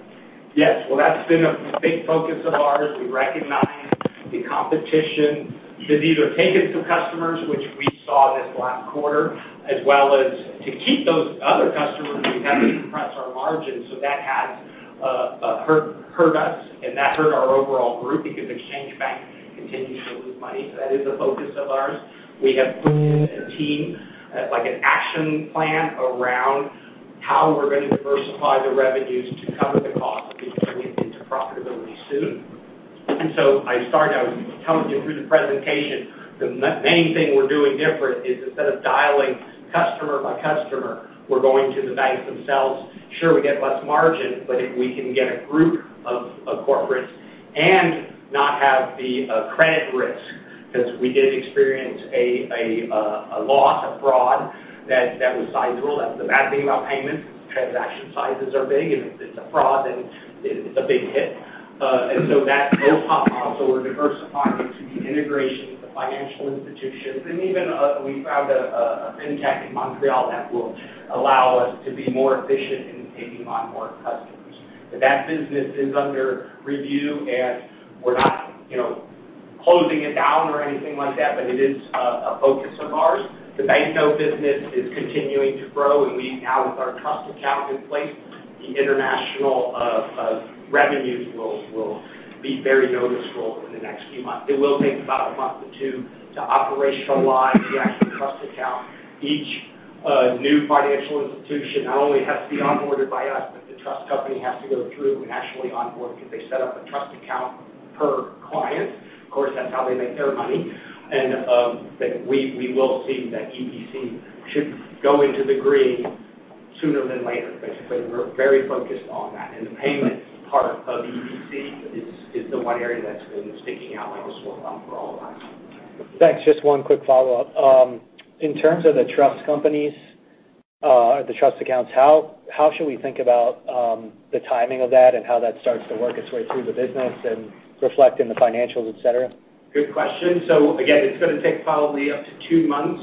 Yes. Well, that's been a big focus of ours. We recognize the competition that these have taken some customers, which we saw this last quarter, as well as to keep those other customers, we've had to compress our margins. That has hurt us, and that hurt our overall group because Exchange Bank continues to lose money. That is a focus of ours. We have put a team, like an action plan around how we're going to diversify the revenues to cover the cost and get it into profitability soon. I started, I was telling you through the presentation, the main thing we're doing different is instead of dealing customer by customer, we're going to the banks themselves. Sure, we get less margin, but if we can get a group of corporates and not have the credit risk, because we did experience a loss, a fraud that was sizable. That's the bad thing about payments. Transaction sizes are big, and if it's a fraud, then it's a big hit. that whole top model. we're diversifying into the integration with the financial institutions. even we found a fintech in Montreal that will allow us to be more efficient in taking on more customers. that business is under review, and we're not closing it down or anything like that, but it is a focus of ours. The bank note business is continuing to grow, and we now, with our trust account in place, the international revenues will be very noticeable in the next few months. It will take about a month or two to operationalize the actual trust account. Each new financial institution not only has to be onboarded by us, but the trust company has to go through and actually onboard because they set up a trust account per client. Of course, that's how they make their money. We will see that EBC should go into the green sooner than later, basically. We're very focused on that. The payment part of EBC is the one area that's been sticking out like a sore thumb for all of us. Thanks. Just one quick follow-up. In terms of the trust companies, the trust accounts, how should we think about the timing of that and how that starts to work its way through the business and reflect in the financials, et cetera? Good question. Again, it's going to take probably up to two months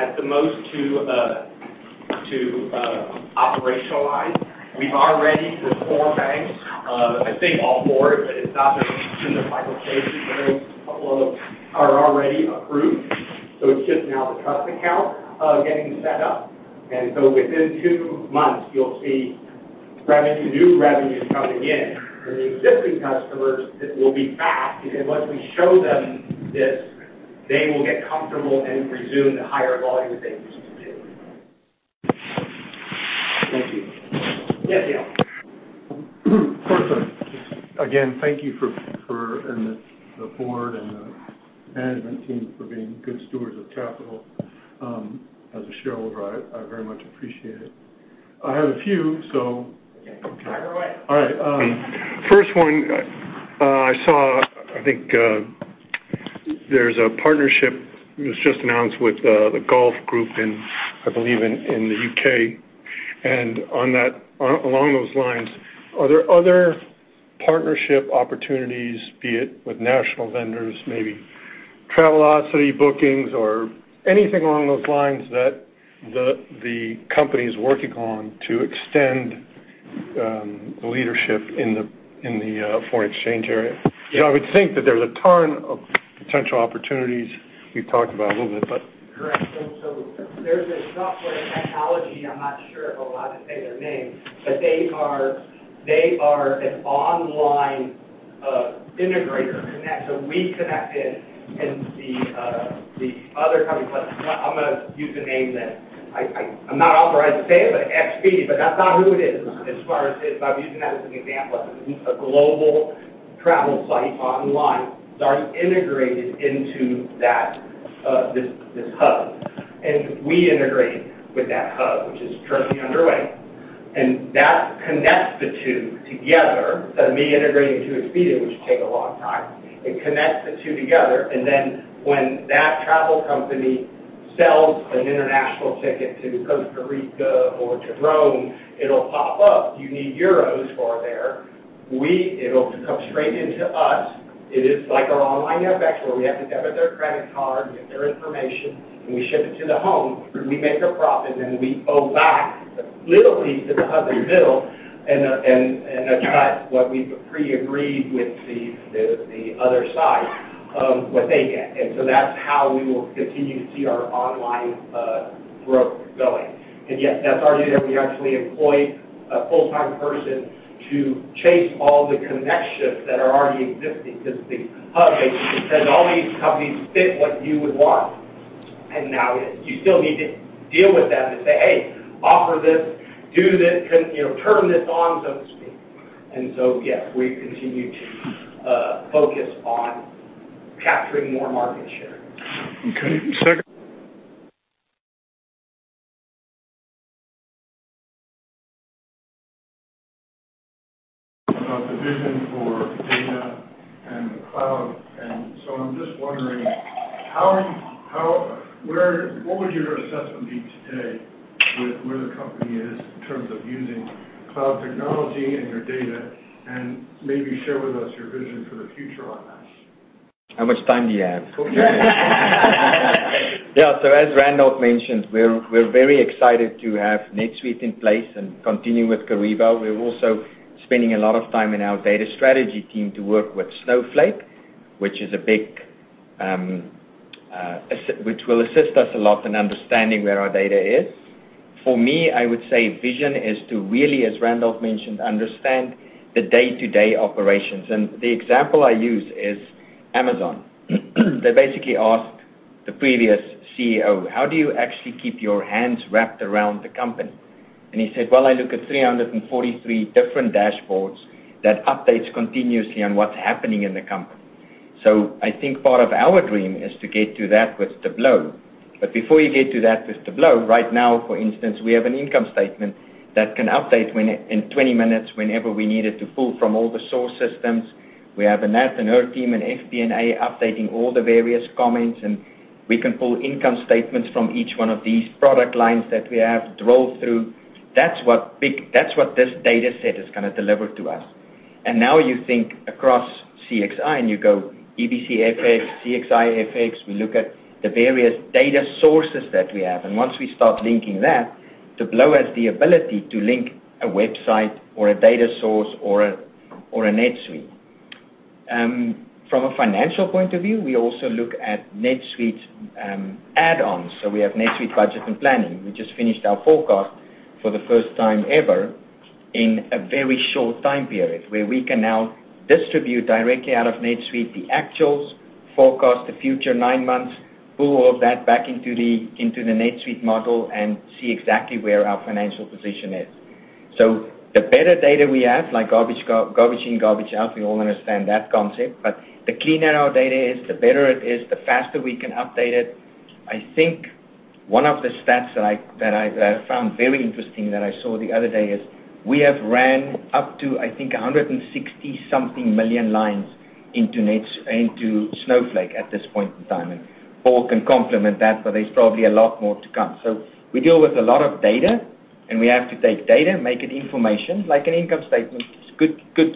at the most to operationalize. We've already, with four banks, I think all four, but it's not in the final stages, but a couple of them are already approved. It's just now the trust account getting set up. Within two months, you'll see new revenues coming in. The existing customers will be back because once we show them this, they will get comfortable and resume the higher volumes they used to do. Thank you. Yes, Neil. Again, thank you. The board and the management team for being good stewards of capital. As a shareholder, I very much appreciate it. I have a few, so. Okay. Fire away. All right. First one I saw, I think, there's a partnership that was just announced with the Golf Group in, I believe, in the U.K. Along those lines, are there other partnership opportunities, be it with national vendors, maybe Travelocity bookings or anything along those lines, that the company is working on to extend leadership in the foreign exchange area? Because I would think that there's a ton of potential opportunities. You've talked about a little bit, but. Correct. There's a software technology. I'm not sure if I'm allowed to say their name, but they are an online integrator connect. We connected and the other company, but I'm going to use a name that I'm not authorized to say it, but Expedia. That's not who it is as far as. I'm using that as an example of a global travel site online that integrated into this hub. We integrate with that hub, which is currently underway. That connects the two together. Instead of me integrating to Expedia, which would take a long time, it connects the two together. Then when that travel company sells an international ticket to Costa Rica or to Rome, it'll pop up, "You need euros for there." It'll come straight into us. It is like our online FX, where we have to debit their credit card, get their information, and we ship it to the home. We make a profit, and we owe back, literally to the hub in the middle, and attract what we've pre-agreed with the other side of what they get. That's how we will continue to see our online growth going. Yes, that's already there. We actually employ a full-time person to chase all the connections that are already existing because the hub basically says, all these companies fit what you would want. Now you still need to deal with them to say, "Hey, offer this, do this, turn this on," so to speak. Yes, we continue to focus on capturing more market share. Okay. About the vision for data and the cloud. I'm just wondering, what would your assessment be today with where the company is in terms of using cloud technology and your data? Maybe share with us your vision for the future on that. How much time do you have? Yeah. As Randolph mentioned, we're very excited to have NetSuite in place and continue with Kyriba. We're also spending a lot of time in our data strategy team to work with Snowflake, which will assist us a lot in understanding where our data is. For me, I would say vision is to really, as Randolph mentioned, understand the day-to-day operations. The example I use is Amazon. They basically asked the previous CEO, "How do you actually keep your hands wrapped around the company?" He said, "Well, I look at 343 different dashboards that updates continuously on what's happening in the company." I think part of our dream is to get to that with Tableau. Before you get to that with Tableau, right now, for instance, we have an income statement that can update in 20 minutes whenever we need it to pull from all the source systems. We have Nat and her team in FP&A updating all the various comments, and we can pull income statements from each one of these product lines that we have to roll through. That's what this data set is going to deliver to us. Now you think across CXI, and you go EBCFX, CXIFX. We look at the various data sources that we have. Once we start linking that, Tableau has the ability to link a website or a data source or a NetSuite. From a financial point of view, we also look at NetSuite add-ons. We have NetSuite budget and planning. We just finished our forecast for the first time ever in a very short time period, where we can now distribute directly out of NetSuite the actuals, forecast the future 9 months, pull all of that back into the NetSuite model, and see exactly where our financial position is. The better data we have, like garbage in, garbage out, we all understand that concept, but the cleaner our data is, the better it is, the faster we can update it. I think one of the stats that I found very interesting that I saw the other day is we have ran up to, I think, 160-something million lines into Snowflake at this point in time. Paul can comment that, but there's probably a lot more to come. We deal with a lot of data, and we have to take data, make it information, like an income statement is a good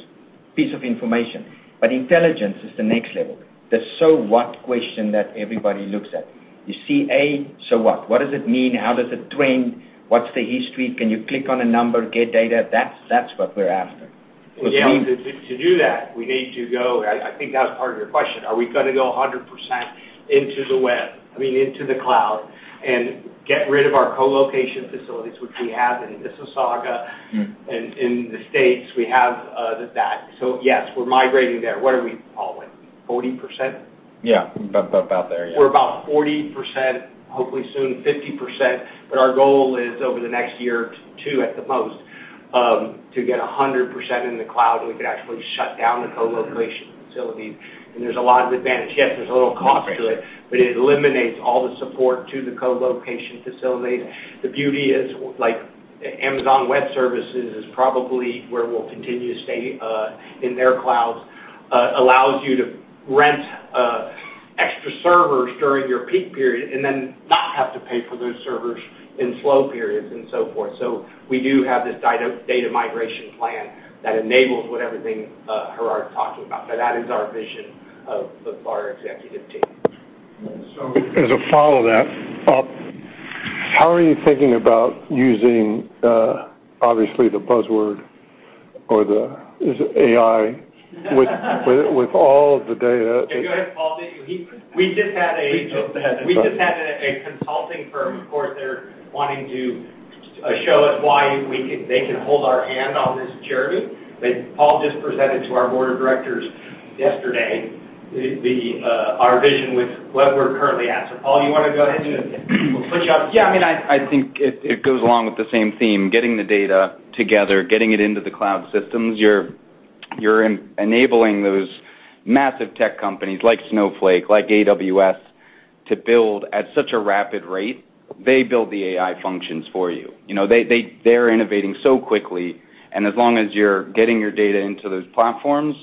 piece of information. Intelligence is the next level. The so what question that everybody looks at. You see a, so what? What does it mean? How does it trend? What's the history? Can you click on a number, get data? That's what we're after. Yeah. To do that, we need to go. I think that was part of your question. Are we going to go 100% into the web? I mean, into the cloud and get rid of our co-location facilities, which we have in Mississauga. In the States, we have that. Yes, we're migrating there. What are we, Paul, like 40%? Yeah. About there, yeah. We're about 40%, hopefully soon 50%, but our goal is over the next year, two at the most, to get 100% in the cloud, and we could actually shut down the co-location facilities. There's a lot of advantage. Yes, there's a little cost to it, but it eliminates all the support to the co-location facility. The beauty is like Amazon Web Services is probably where we'll continue to stay, in their clouds, allows you to rent extra servers during your peak period and then not have to pay for those servers in slow periods and so forth. We do have this data migration plan that enables what everything Gerhard's talking about. That is our vision of our executive team. As a follow-up, how are you thinking about using, obviously, the buzzword, or is it AI? With all of the data- Go ahead, Paul. Please, go ahead. Sorry. We just had a consulting firm, of course, they're wanting to show us why they can hold our hand on this journey. Paul just presented to our board of directors yesterday our vision with where we're currently at. Paul, you want to go ahead and we'll switch off? Yeah. I think it goes along with the same theme, getting the data together, getting it into the cloud systems. You're enabling those massive tech companies like Snowflake, like AWS, to build at such a rapid rate. They build the AI functions for you. They're innovating so quickly, and as long as you're getting your data into those platforms,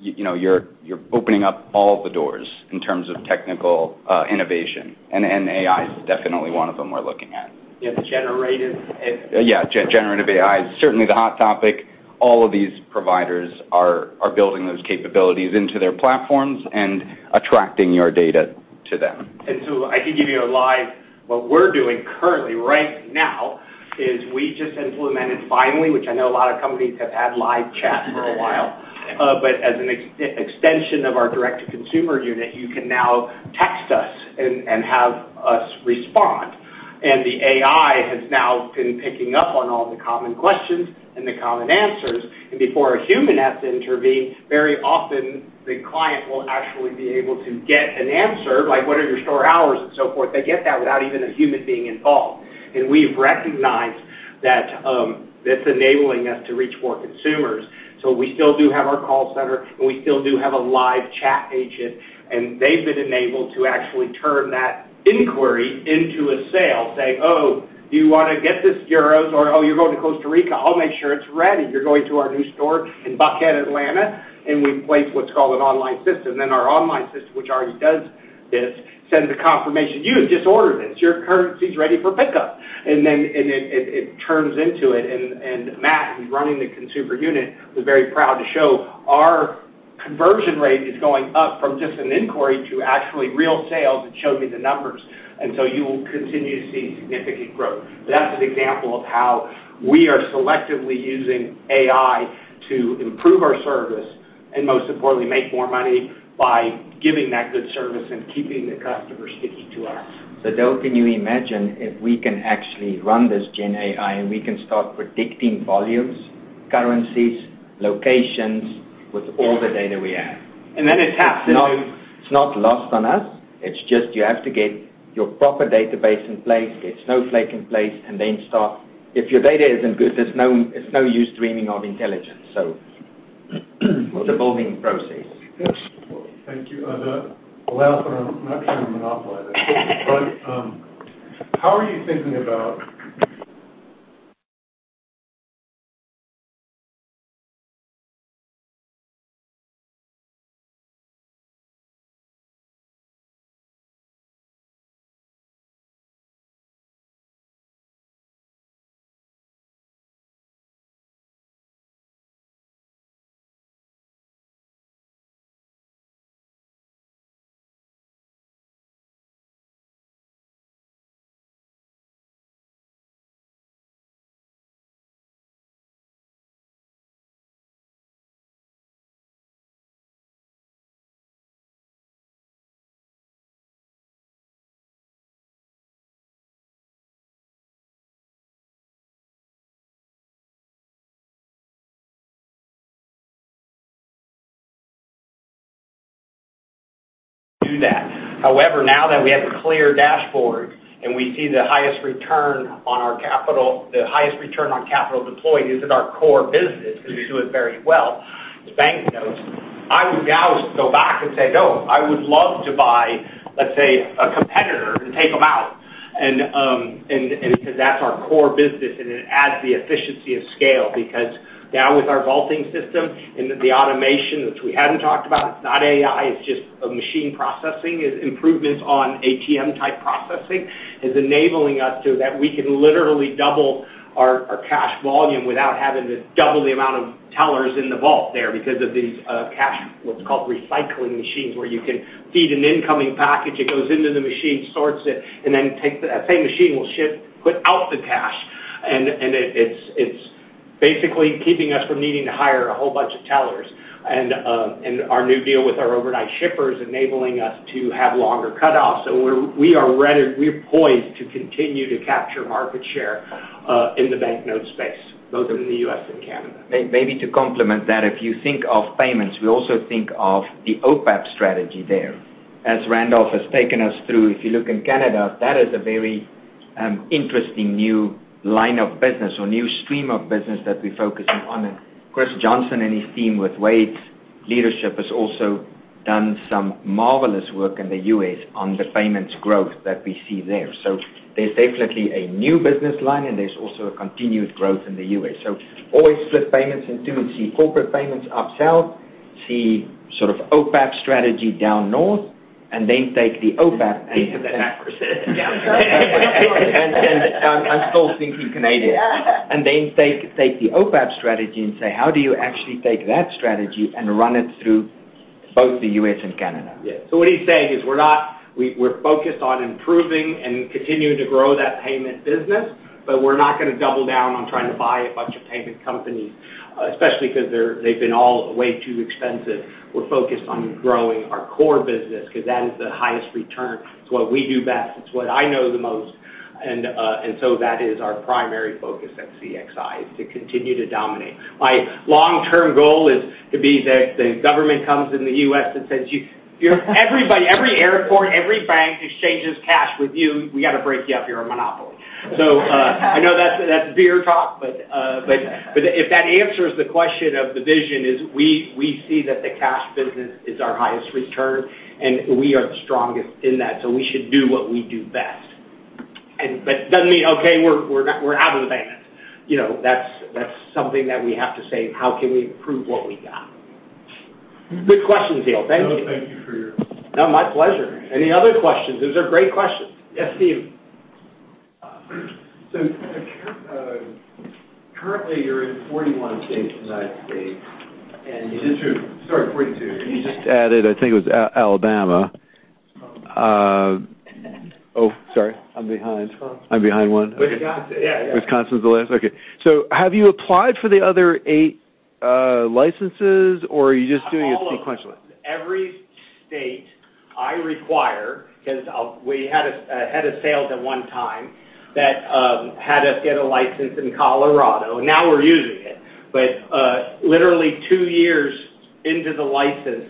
you're opening up all the doors in terms of technical innovation. AI is definitely one of them we're looking at. Yeah, the generative and Yeah, generative AI is certainly the hot topic. All of these providers are building those capabilities into their platforms and attracting your data to them. What we're doing currently right now is we just implemented finally, which I know a lot of companies have had live chat for a while. As an extension of our direct-to-consumer unit, you can now text us and have us respond. The AI has now been picking up on all the common questions and the common answers. Before a human has to intervene, very often the client will actually be able to get an answer, like what are your store hours and so forth. They get that without even a human being involved. We've recognized that's enabling us to reach more consumers. We still do have our call center, and we still do have a live chat agent, and they've been enabled to actually turn that inquiry into a sale. Say, "Oh, do you want to get this euros?" Or, "Oh, you're going to Costa Rica? I'll make sure it's ready. You're going to our new store in Buckhead, Atlanta?" We place what's called an online system. Our online system, which already does this, sends a confirmation. "You have just ordered this, your currency's ready for pickup." It turns into it. Matt, who's running the consumer unit, was very proud to show our conversion rate is going up from just an inquiry to actually real sales, and showed me the numbers. You will continue to see significant growth. That's an example of how we are selectively using AI to improve our service, and most importantly, make more money by giving that good service and keeping the customer sticky to us. Bill, can you imagine if we can actually run this gen AI, and we can start predicting volumes, currencies, locations with all the data we have? It's happening. It's not lost on us. It's just you have to get your proper database in place, get Snowflake in place, and then start. If your data isn't good, it's no use dreaming of intelligence. It's a building process. Yes. Thank you. The last one. I'm not trying to monopolize. How are you thinking about Do that. However, now that we have a clear dashboard and we see the highest return on capital deployed is in our core business, because we do it very well, is banknotes. I would now go back and say, "No, I would love to buy, let's say, a competitor and take them out." Because that's our core business, and it adds the efficiency of scale, because now with our vaulting system and the automation, which we hadn't talked about, it's not AI, it's just a machine processing. It's improvements on ATM-type processing, is enabling us so that we can literally double our cash volume without having to double the amount of tellers in the vault there because of these cash, what's called recycling machines, where you can feed an incoming package, it goes into the machine, sorts it, and then that same machine will ship, put out the cash. It's basically keeping us from needing to hire a whole bunch of tellers. Our new deal with our overnight shipper is enabling us to have longer cutoffs. We are ready. We're poised to continue to capture market share in the banknote space, both in the U.S. and Canada. Maybe to complement that, if you think of payments, we also think of the OPAP strategy there. As Randolph has taken us through, if you look in Canada, that is a very interesting new line of business or new stream of business that we're focusing on. Chris Johnson and his team with Wade's leadership has also done some marvelous work in the U.S. on the payments growth that we see there. There's definitely a new business line, and there's also a continued growth in the U.S. Always split payments in two, and see corporate payments up south, see sort of OPAP strategy down north, and then take the OPAP. You have that backwards. I'm still thinking Canadian. Take the OPAP strategy and say, how do you actually take that strategy and run it through both the U.S. and Canada? What he's saying is we're focused on improving and continuing to grow that payment business, but we're not going to double down on trying to buy a bunch of payment companies, especially because they've been all way too expensive. We're focused on growing our core business because that is the highest return. It's what we do best, it's what I know the most. That is our primary focus at CXI, is to continue to dominate. My long-term goal is to be that the government comes in the U.S. and says, "Every airport, every bank exchanges cash with you. We got to break you up. You're a monopoly." I know that's beer talk, but if that answers the question of the vision is, we see that the cash business is our highest return, and we are the strongest in that, so we should do what we do best. It doesn't mean, okay, we're out of the business. That's something that we have to say, how can we improve what we got? Good question, Neil. Thank you. No, thank you for your. No, my pleasure. Any other questions? Those are great questions. Yes, Steve. Currently, you're in 41 states in the United States. It is true. Sorry, 42. You just added, I think it was Alabama. Oh, sorry. I'm behind. It's fine. I'm behind one. Okay. Wisconsin. Yeah. Wisconsin's the last. Okay. Have you applied for the other eight licenses, or are you just doing it sequentially? All of them. Every state, I require, because we had a head of sales at one time that had us get a license in Colorado, and now we're using it. Literally two years into the license,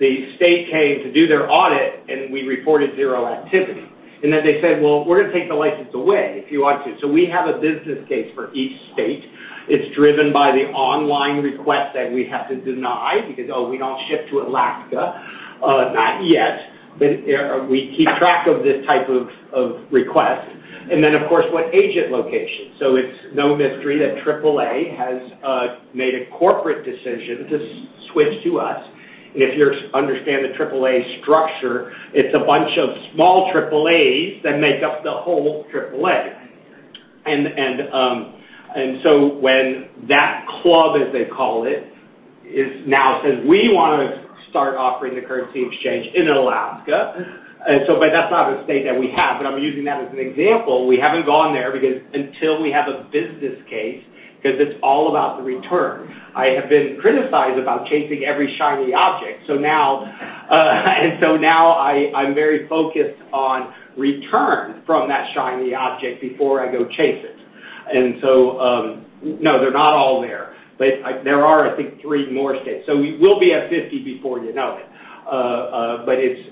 the state came to do their audit, and we reported zero activity. They said, "Well, we're going to take the license away if you want to." We have a business case for each state. It's driven by the online requests that we have to deny because, oh, we don't ship to Alaska. Not yet. We keep track of this type of request. Of course, what agent location. It's no mystery that AAA has made a corporate decision to switch to us. If you understand the AAA structure, it's a bunch of small AAAs that make up the whole AAA. When that club, as they call it, now says, "We want to start offering the currency exchange in Alaska." That's not a state that we have, but I'm using that as an example. We haven't gone there because until we have a business case, because it's all about the return. I have been criticized about chasing every shiny object. Now I'm very focused on return from that shiny object before I go chase it. No, they're not all there. There are, I think, three more states. We will be at 50 before you know it.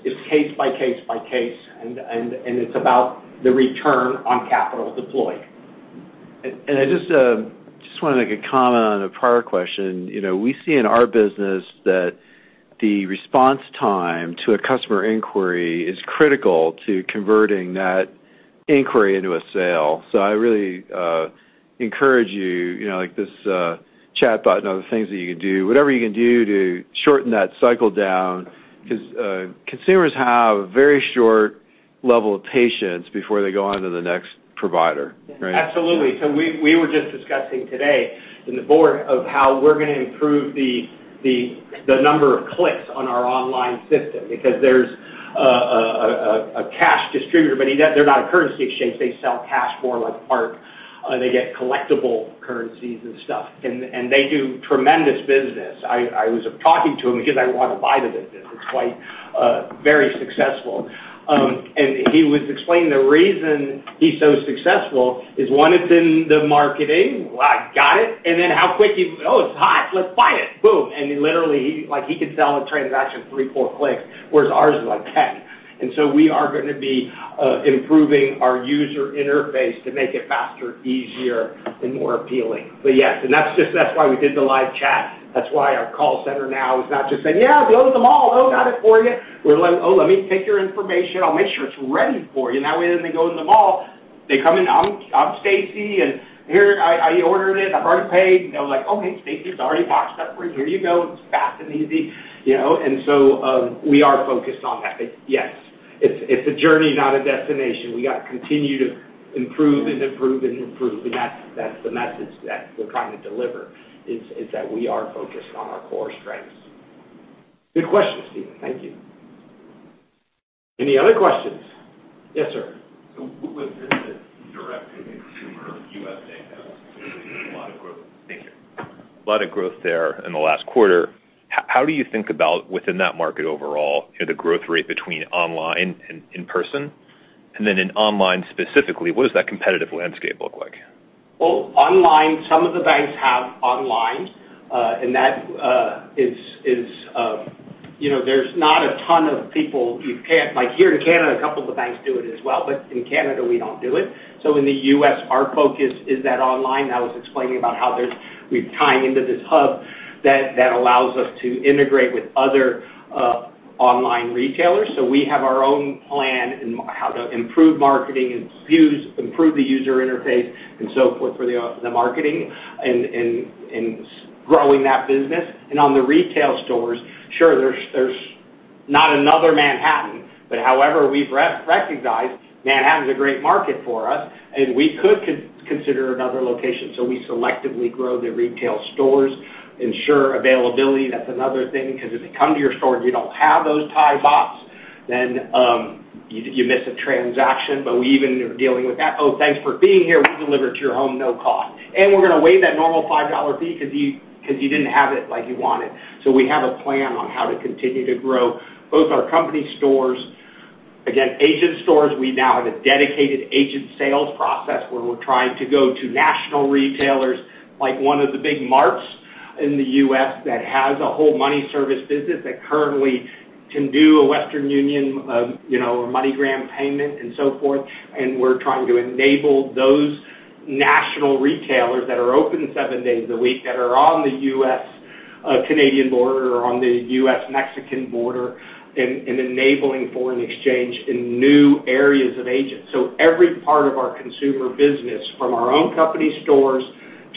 It's case by case by case, and it's about the return on capital deployed. I just want to make a comment on a prior question. We see in our business that the response time to a customer inquiry is critical to converting that inquiry into a sale. I really encourage you, like this chatbot and other things that you can do, whatever you can do to shorten that cycle down, because consumers have a very short level of patience before they go on to the next provider, right? Absolutely. We were just discussing today in the board of how we're going to improve the number of clicks on our online system because there's a cash distributor, but they're not a currency exchange. They sell cash more like art. They get collectible currencies and stuff, and they do tremendous business. I was talking to him because I want to buy the business. It's very successful. He was explaining the reason he's so successful is one, it's in the marketing. I got it. Then how quick he, "Oh, it's hot. Let's buy it." Boom. Literally, he can sell a transaction three, four clicks, whereas ours is like 10. We are going to be improving our user interface to make it faster, easier, and more appealing. Yes, and that's why we did the live chat. That's why our call center now is not just saying, "Yeah, go to the mall. Oh, got it for you." We're like, "Oh, let me take your information. I'll make sure it's ready for you." That way, then they go in the mall, they come in, "I'm Stacy, and here, I ordered it. I've already paid." They're like, "Oh, hey, Stacy, it's already boxed up for you. Here you go. It's fast and easy." We are focused on that. Yes. It's a journey, not a destination. We got to continue to improve and improve. That's the message that we're trying to deliver, is that we are focused on our core strengths. Good question, Stephen. Thank you. Any other questions? Yes, sir. Within the direct-to-consumer U.S. business, there's a lot of growth. A lot of growth there in the last quarter. How do you think about, within that market overall, the growth rate between online and in-person? In online specifically, what does that competitive landscape look like? Well, online, some of the banks have online, and there's not a ton of people. Like here in Canada, a couple of the banks do it as well, but in Canada, we don't do it. In the U.S., our focus is that online. I was explaining about how we're tying into this hub that allows us to integrate with other online retailers. We have our own plan in how to improve marketing, improve the user interface, and so forth for the marketing, and growing that business. On the retail stores, sure, there's not another Manhattan, but however, we've recognized Manhattan's a great market for us, and we could consider another location. We selectively grow the retail stores, ensure availability. That's another thing, because if they come to your store and you don't have those Thai bahts, then you miss a transaction. We even are dealing with that. "Oh, thanks for being here. We can deliver it to your home, no cost. And we're going to waive that normal $5 fee because you didn't have it like you wanted." We have a plan on how to continue to grow both our company stores. Again, agent stores, we now have a dedicated agent sales process where we're trying to go to national retailers, like one of the big marts in the U.S. that has a whole money service business that currently can do a Western Union or MoneyGram payment and so forth. We're trying to enable those national retailers that are open seven days a week, that are on the U.S.-Canadian border or on the U.S.-Mexican border, and enabling foreign exchange in new areas of agents. Every part of our consumer business, from our own company stores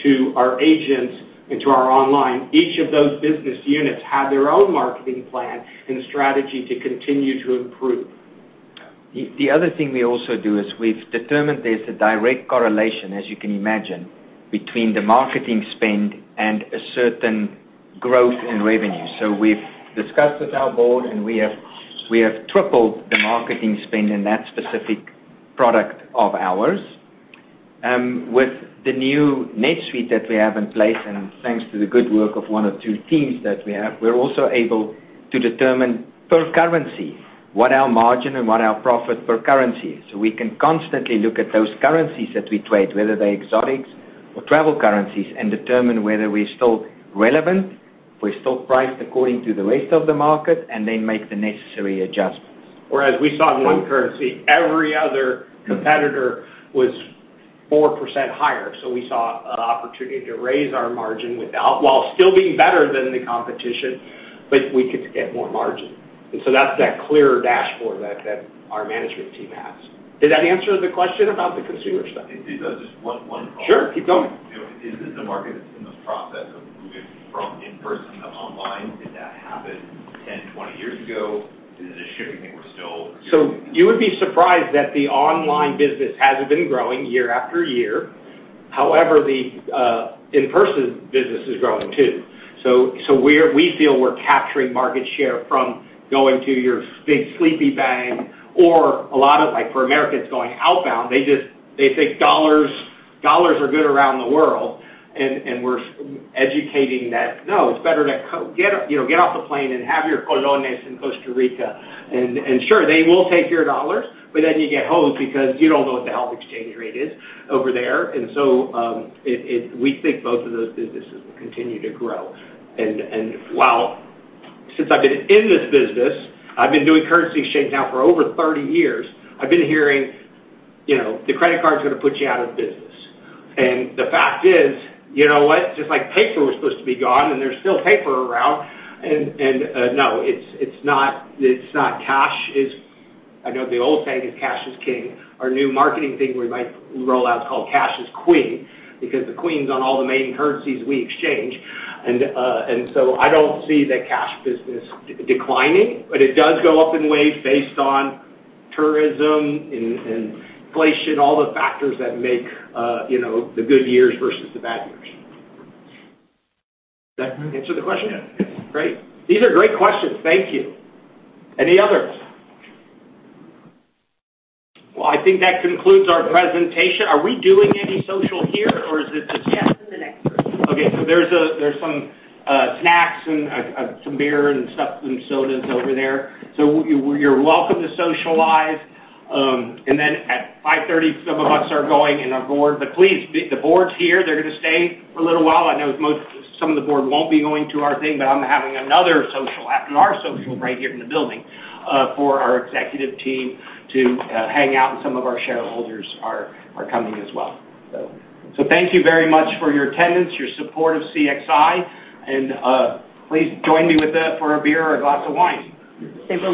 to our agents, and to our online, each of those business units have their own marketing plan and strategy to continue to improve. The other thing we also do is we've determined there's a direct correlation, as you can imagine, between the marketing spend and a certain growth in revenue. We've discussed with our board, and we have tripled the marketing spend in that specific product of ours. With the new NetSuite that we have in place, and thanks to the good work of one or two teams that we have, we're also able to determine per currency what our margin and what our profit per currency is. We can constantly look at those currencies that we trade, whether they're exotics or travel currencies, and determine whether we're still relevant, if we're still priced according to the rest of the market, and then make the necessary adjustments. Whereas we saw in one currency, every other competitor was 4% higher. We saw an opportunity to raise our margin while still being better than the competition, but we could get more margin. That's that clearer dashboard that our management team has. Did that answer the question about the consumer side? It does. Just one follow-up. Sure, keep going. Is this a market that's in the process of moving from in-person to online? Did that happen 10, 20 years ago? Is this a shifting thing we're still- You would be surprised that the online business has been growing year after year. However, the in-person business is growing, too. We feel we're capturing market share from going to your big sleepy bank or a lot of, like for Americans going outbound, they think dollars are good around the world, and we're educating that, "No, it's better to get off the plane and have your colones in Costa Rica." Sure, they will take your dollars, but then you get hosed because you don't know what the hell the exchange rate is over there. We think both of those businesses will continue to grow. Since I've been in this business, I've been doing currency exchange now for over 30 years, I've been hearing, "The credit card's going to put you out of business." The fact is, you know what? Just like paper was supposed to be gone, and there's still paper around, and no. I know the old saying is cash is king. Our new marketing thing we might roll out is called Cash is Queen, because the queen's on all the main currencies we exchange. I don't see the cash business declining, but it does go up in waves based on tourism, and inflation, all the factors that make the good years versus the bad years. Does that answer the question? Yes. Great. These are great questions. Thank you. Any others? Well, I think that concludes our presentation. Are we doing any social here or is it just? Yes, in the next room. Okay, there's some snacks and some beer and stuff, and sodas over there. You're welcome to socialize. At 5:30, some of us are going to our bar. Please, the board's here. They're going to stay for a little while. I know some of the board won't be going to our thing, but I'm having another social, and our social right here in the building, for our executive team to hang out, and some of our shareholders are coming as well. Thank you very much for your attendance, your support of CXI, and please join me for a beer or a glass of wine. They will.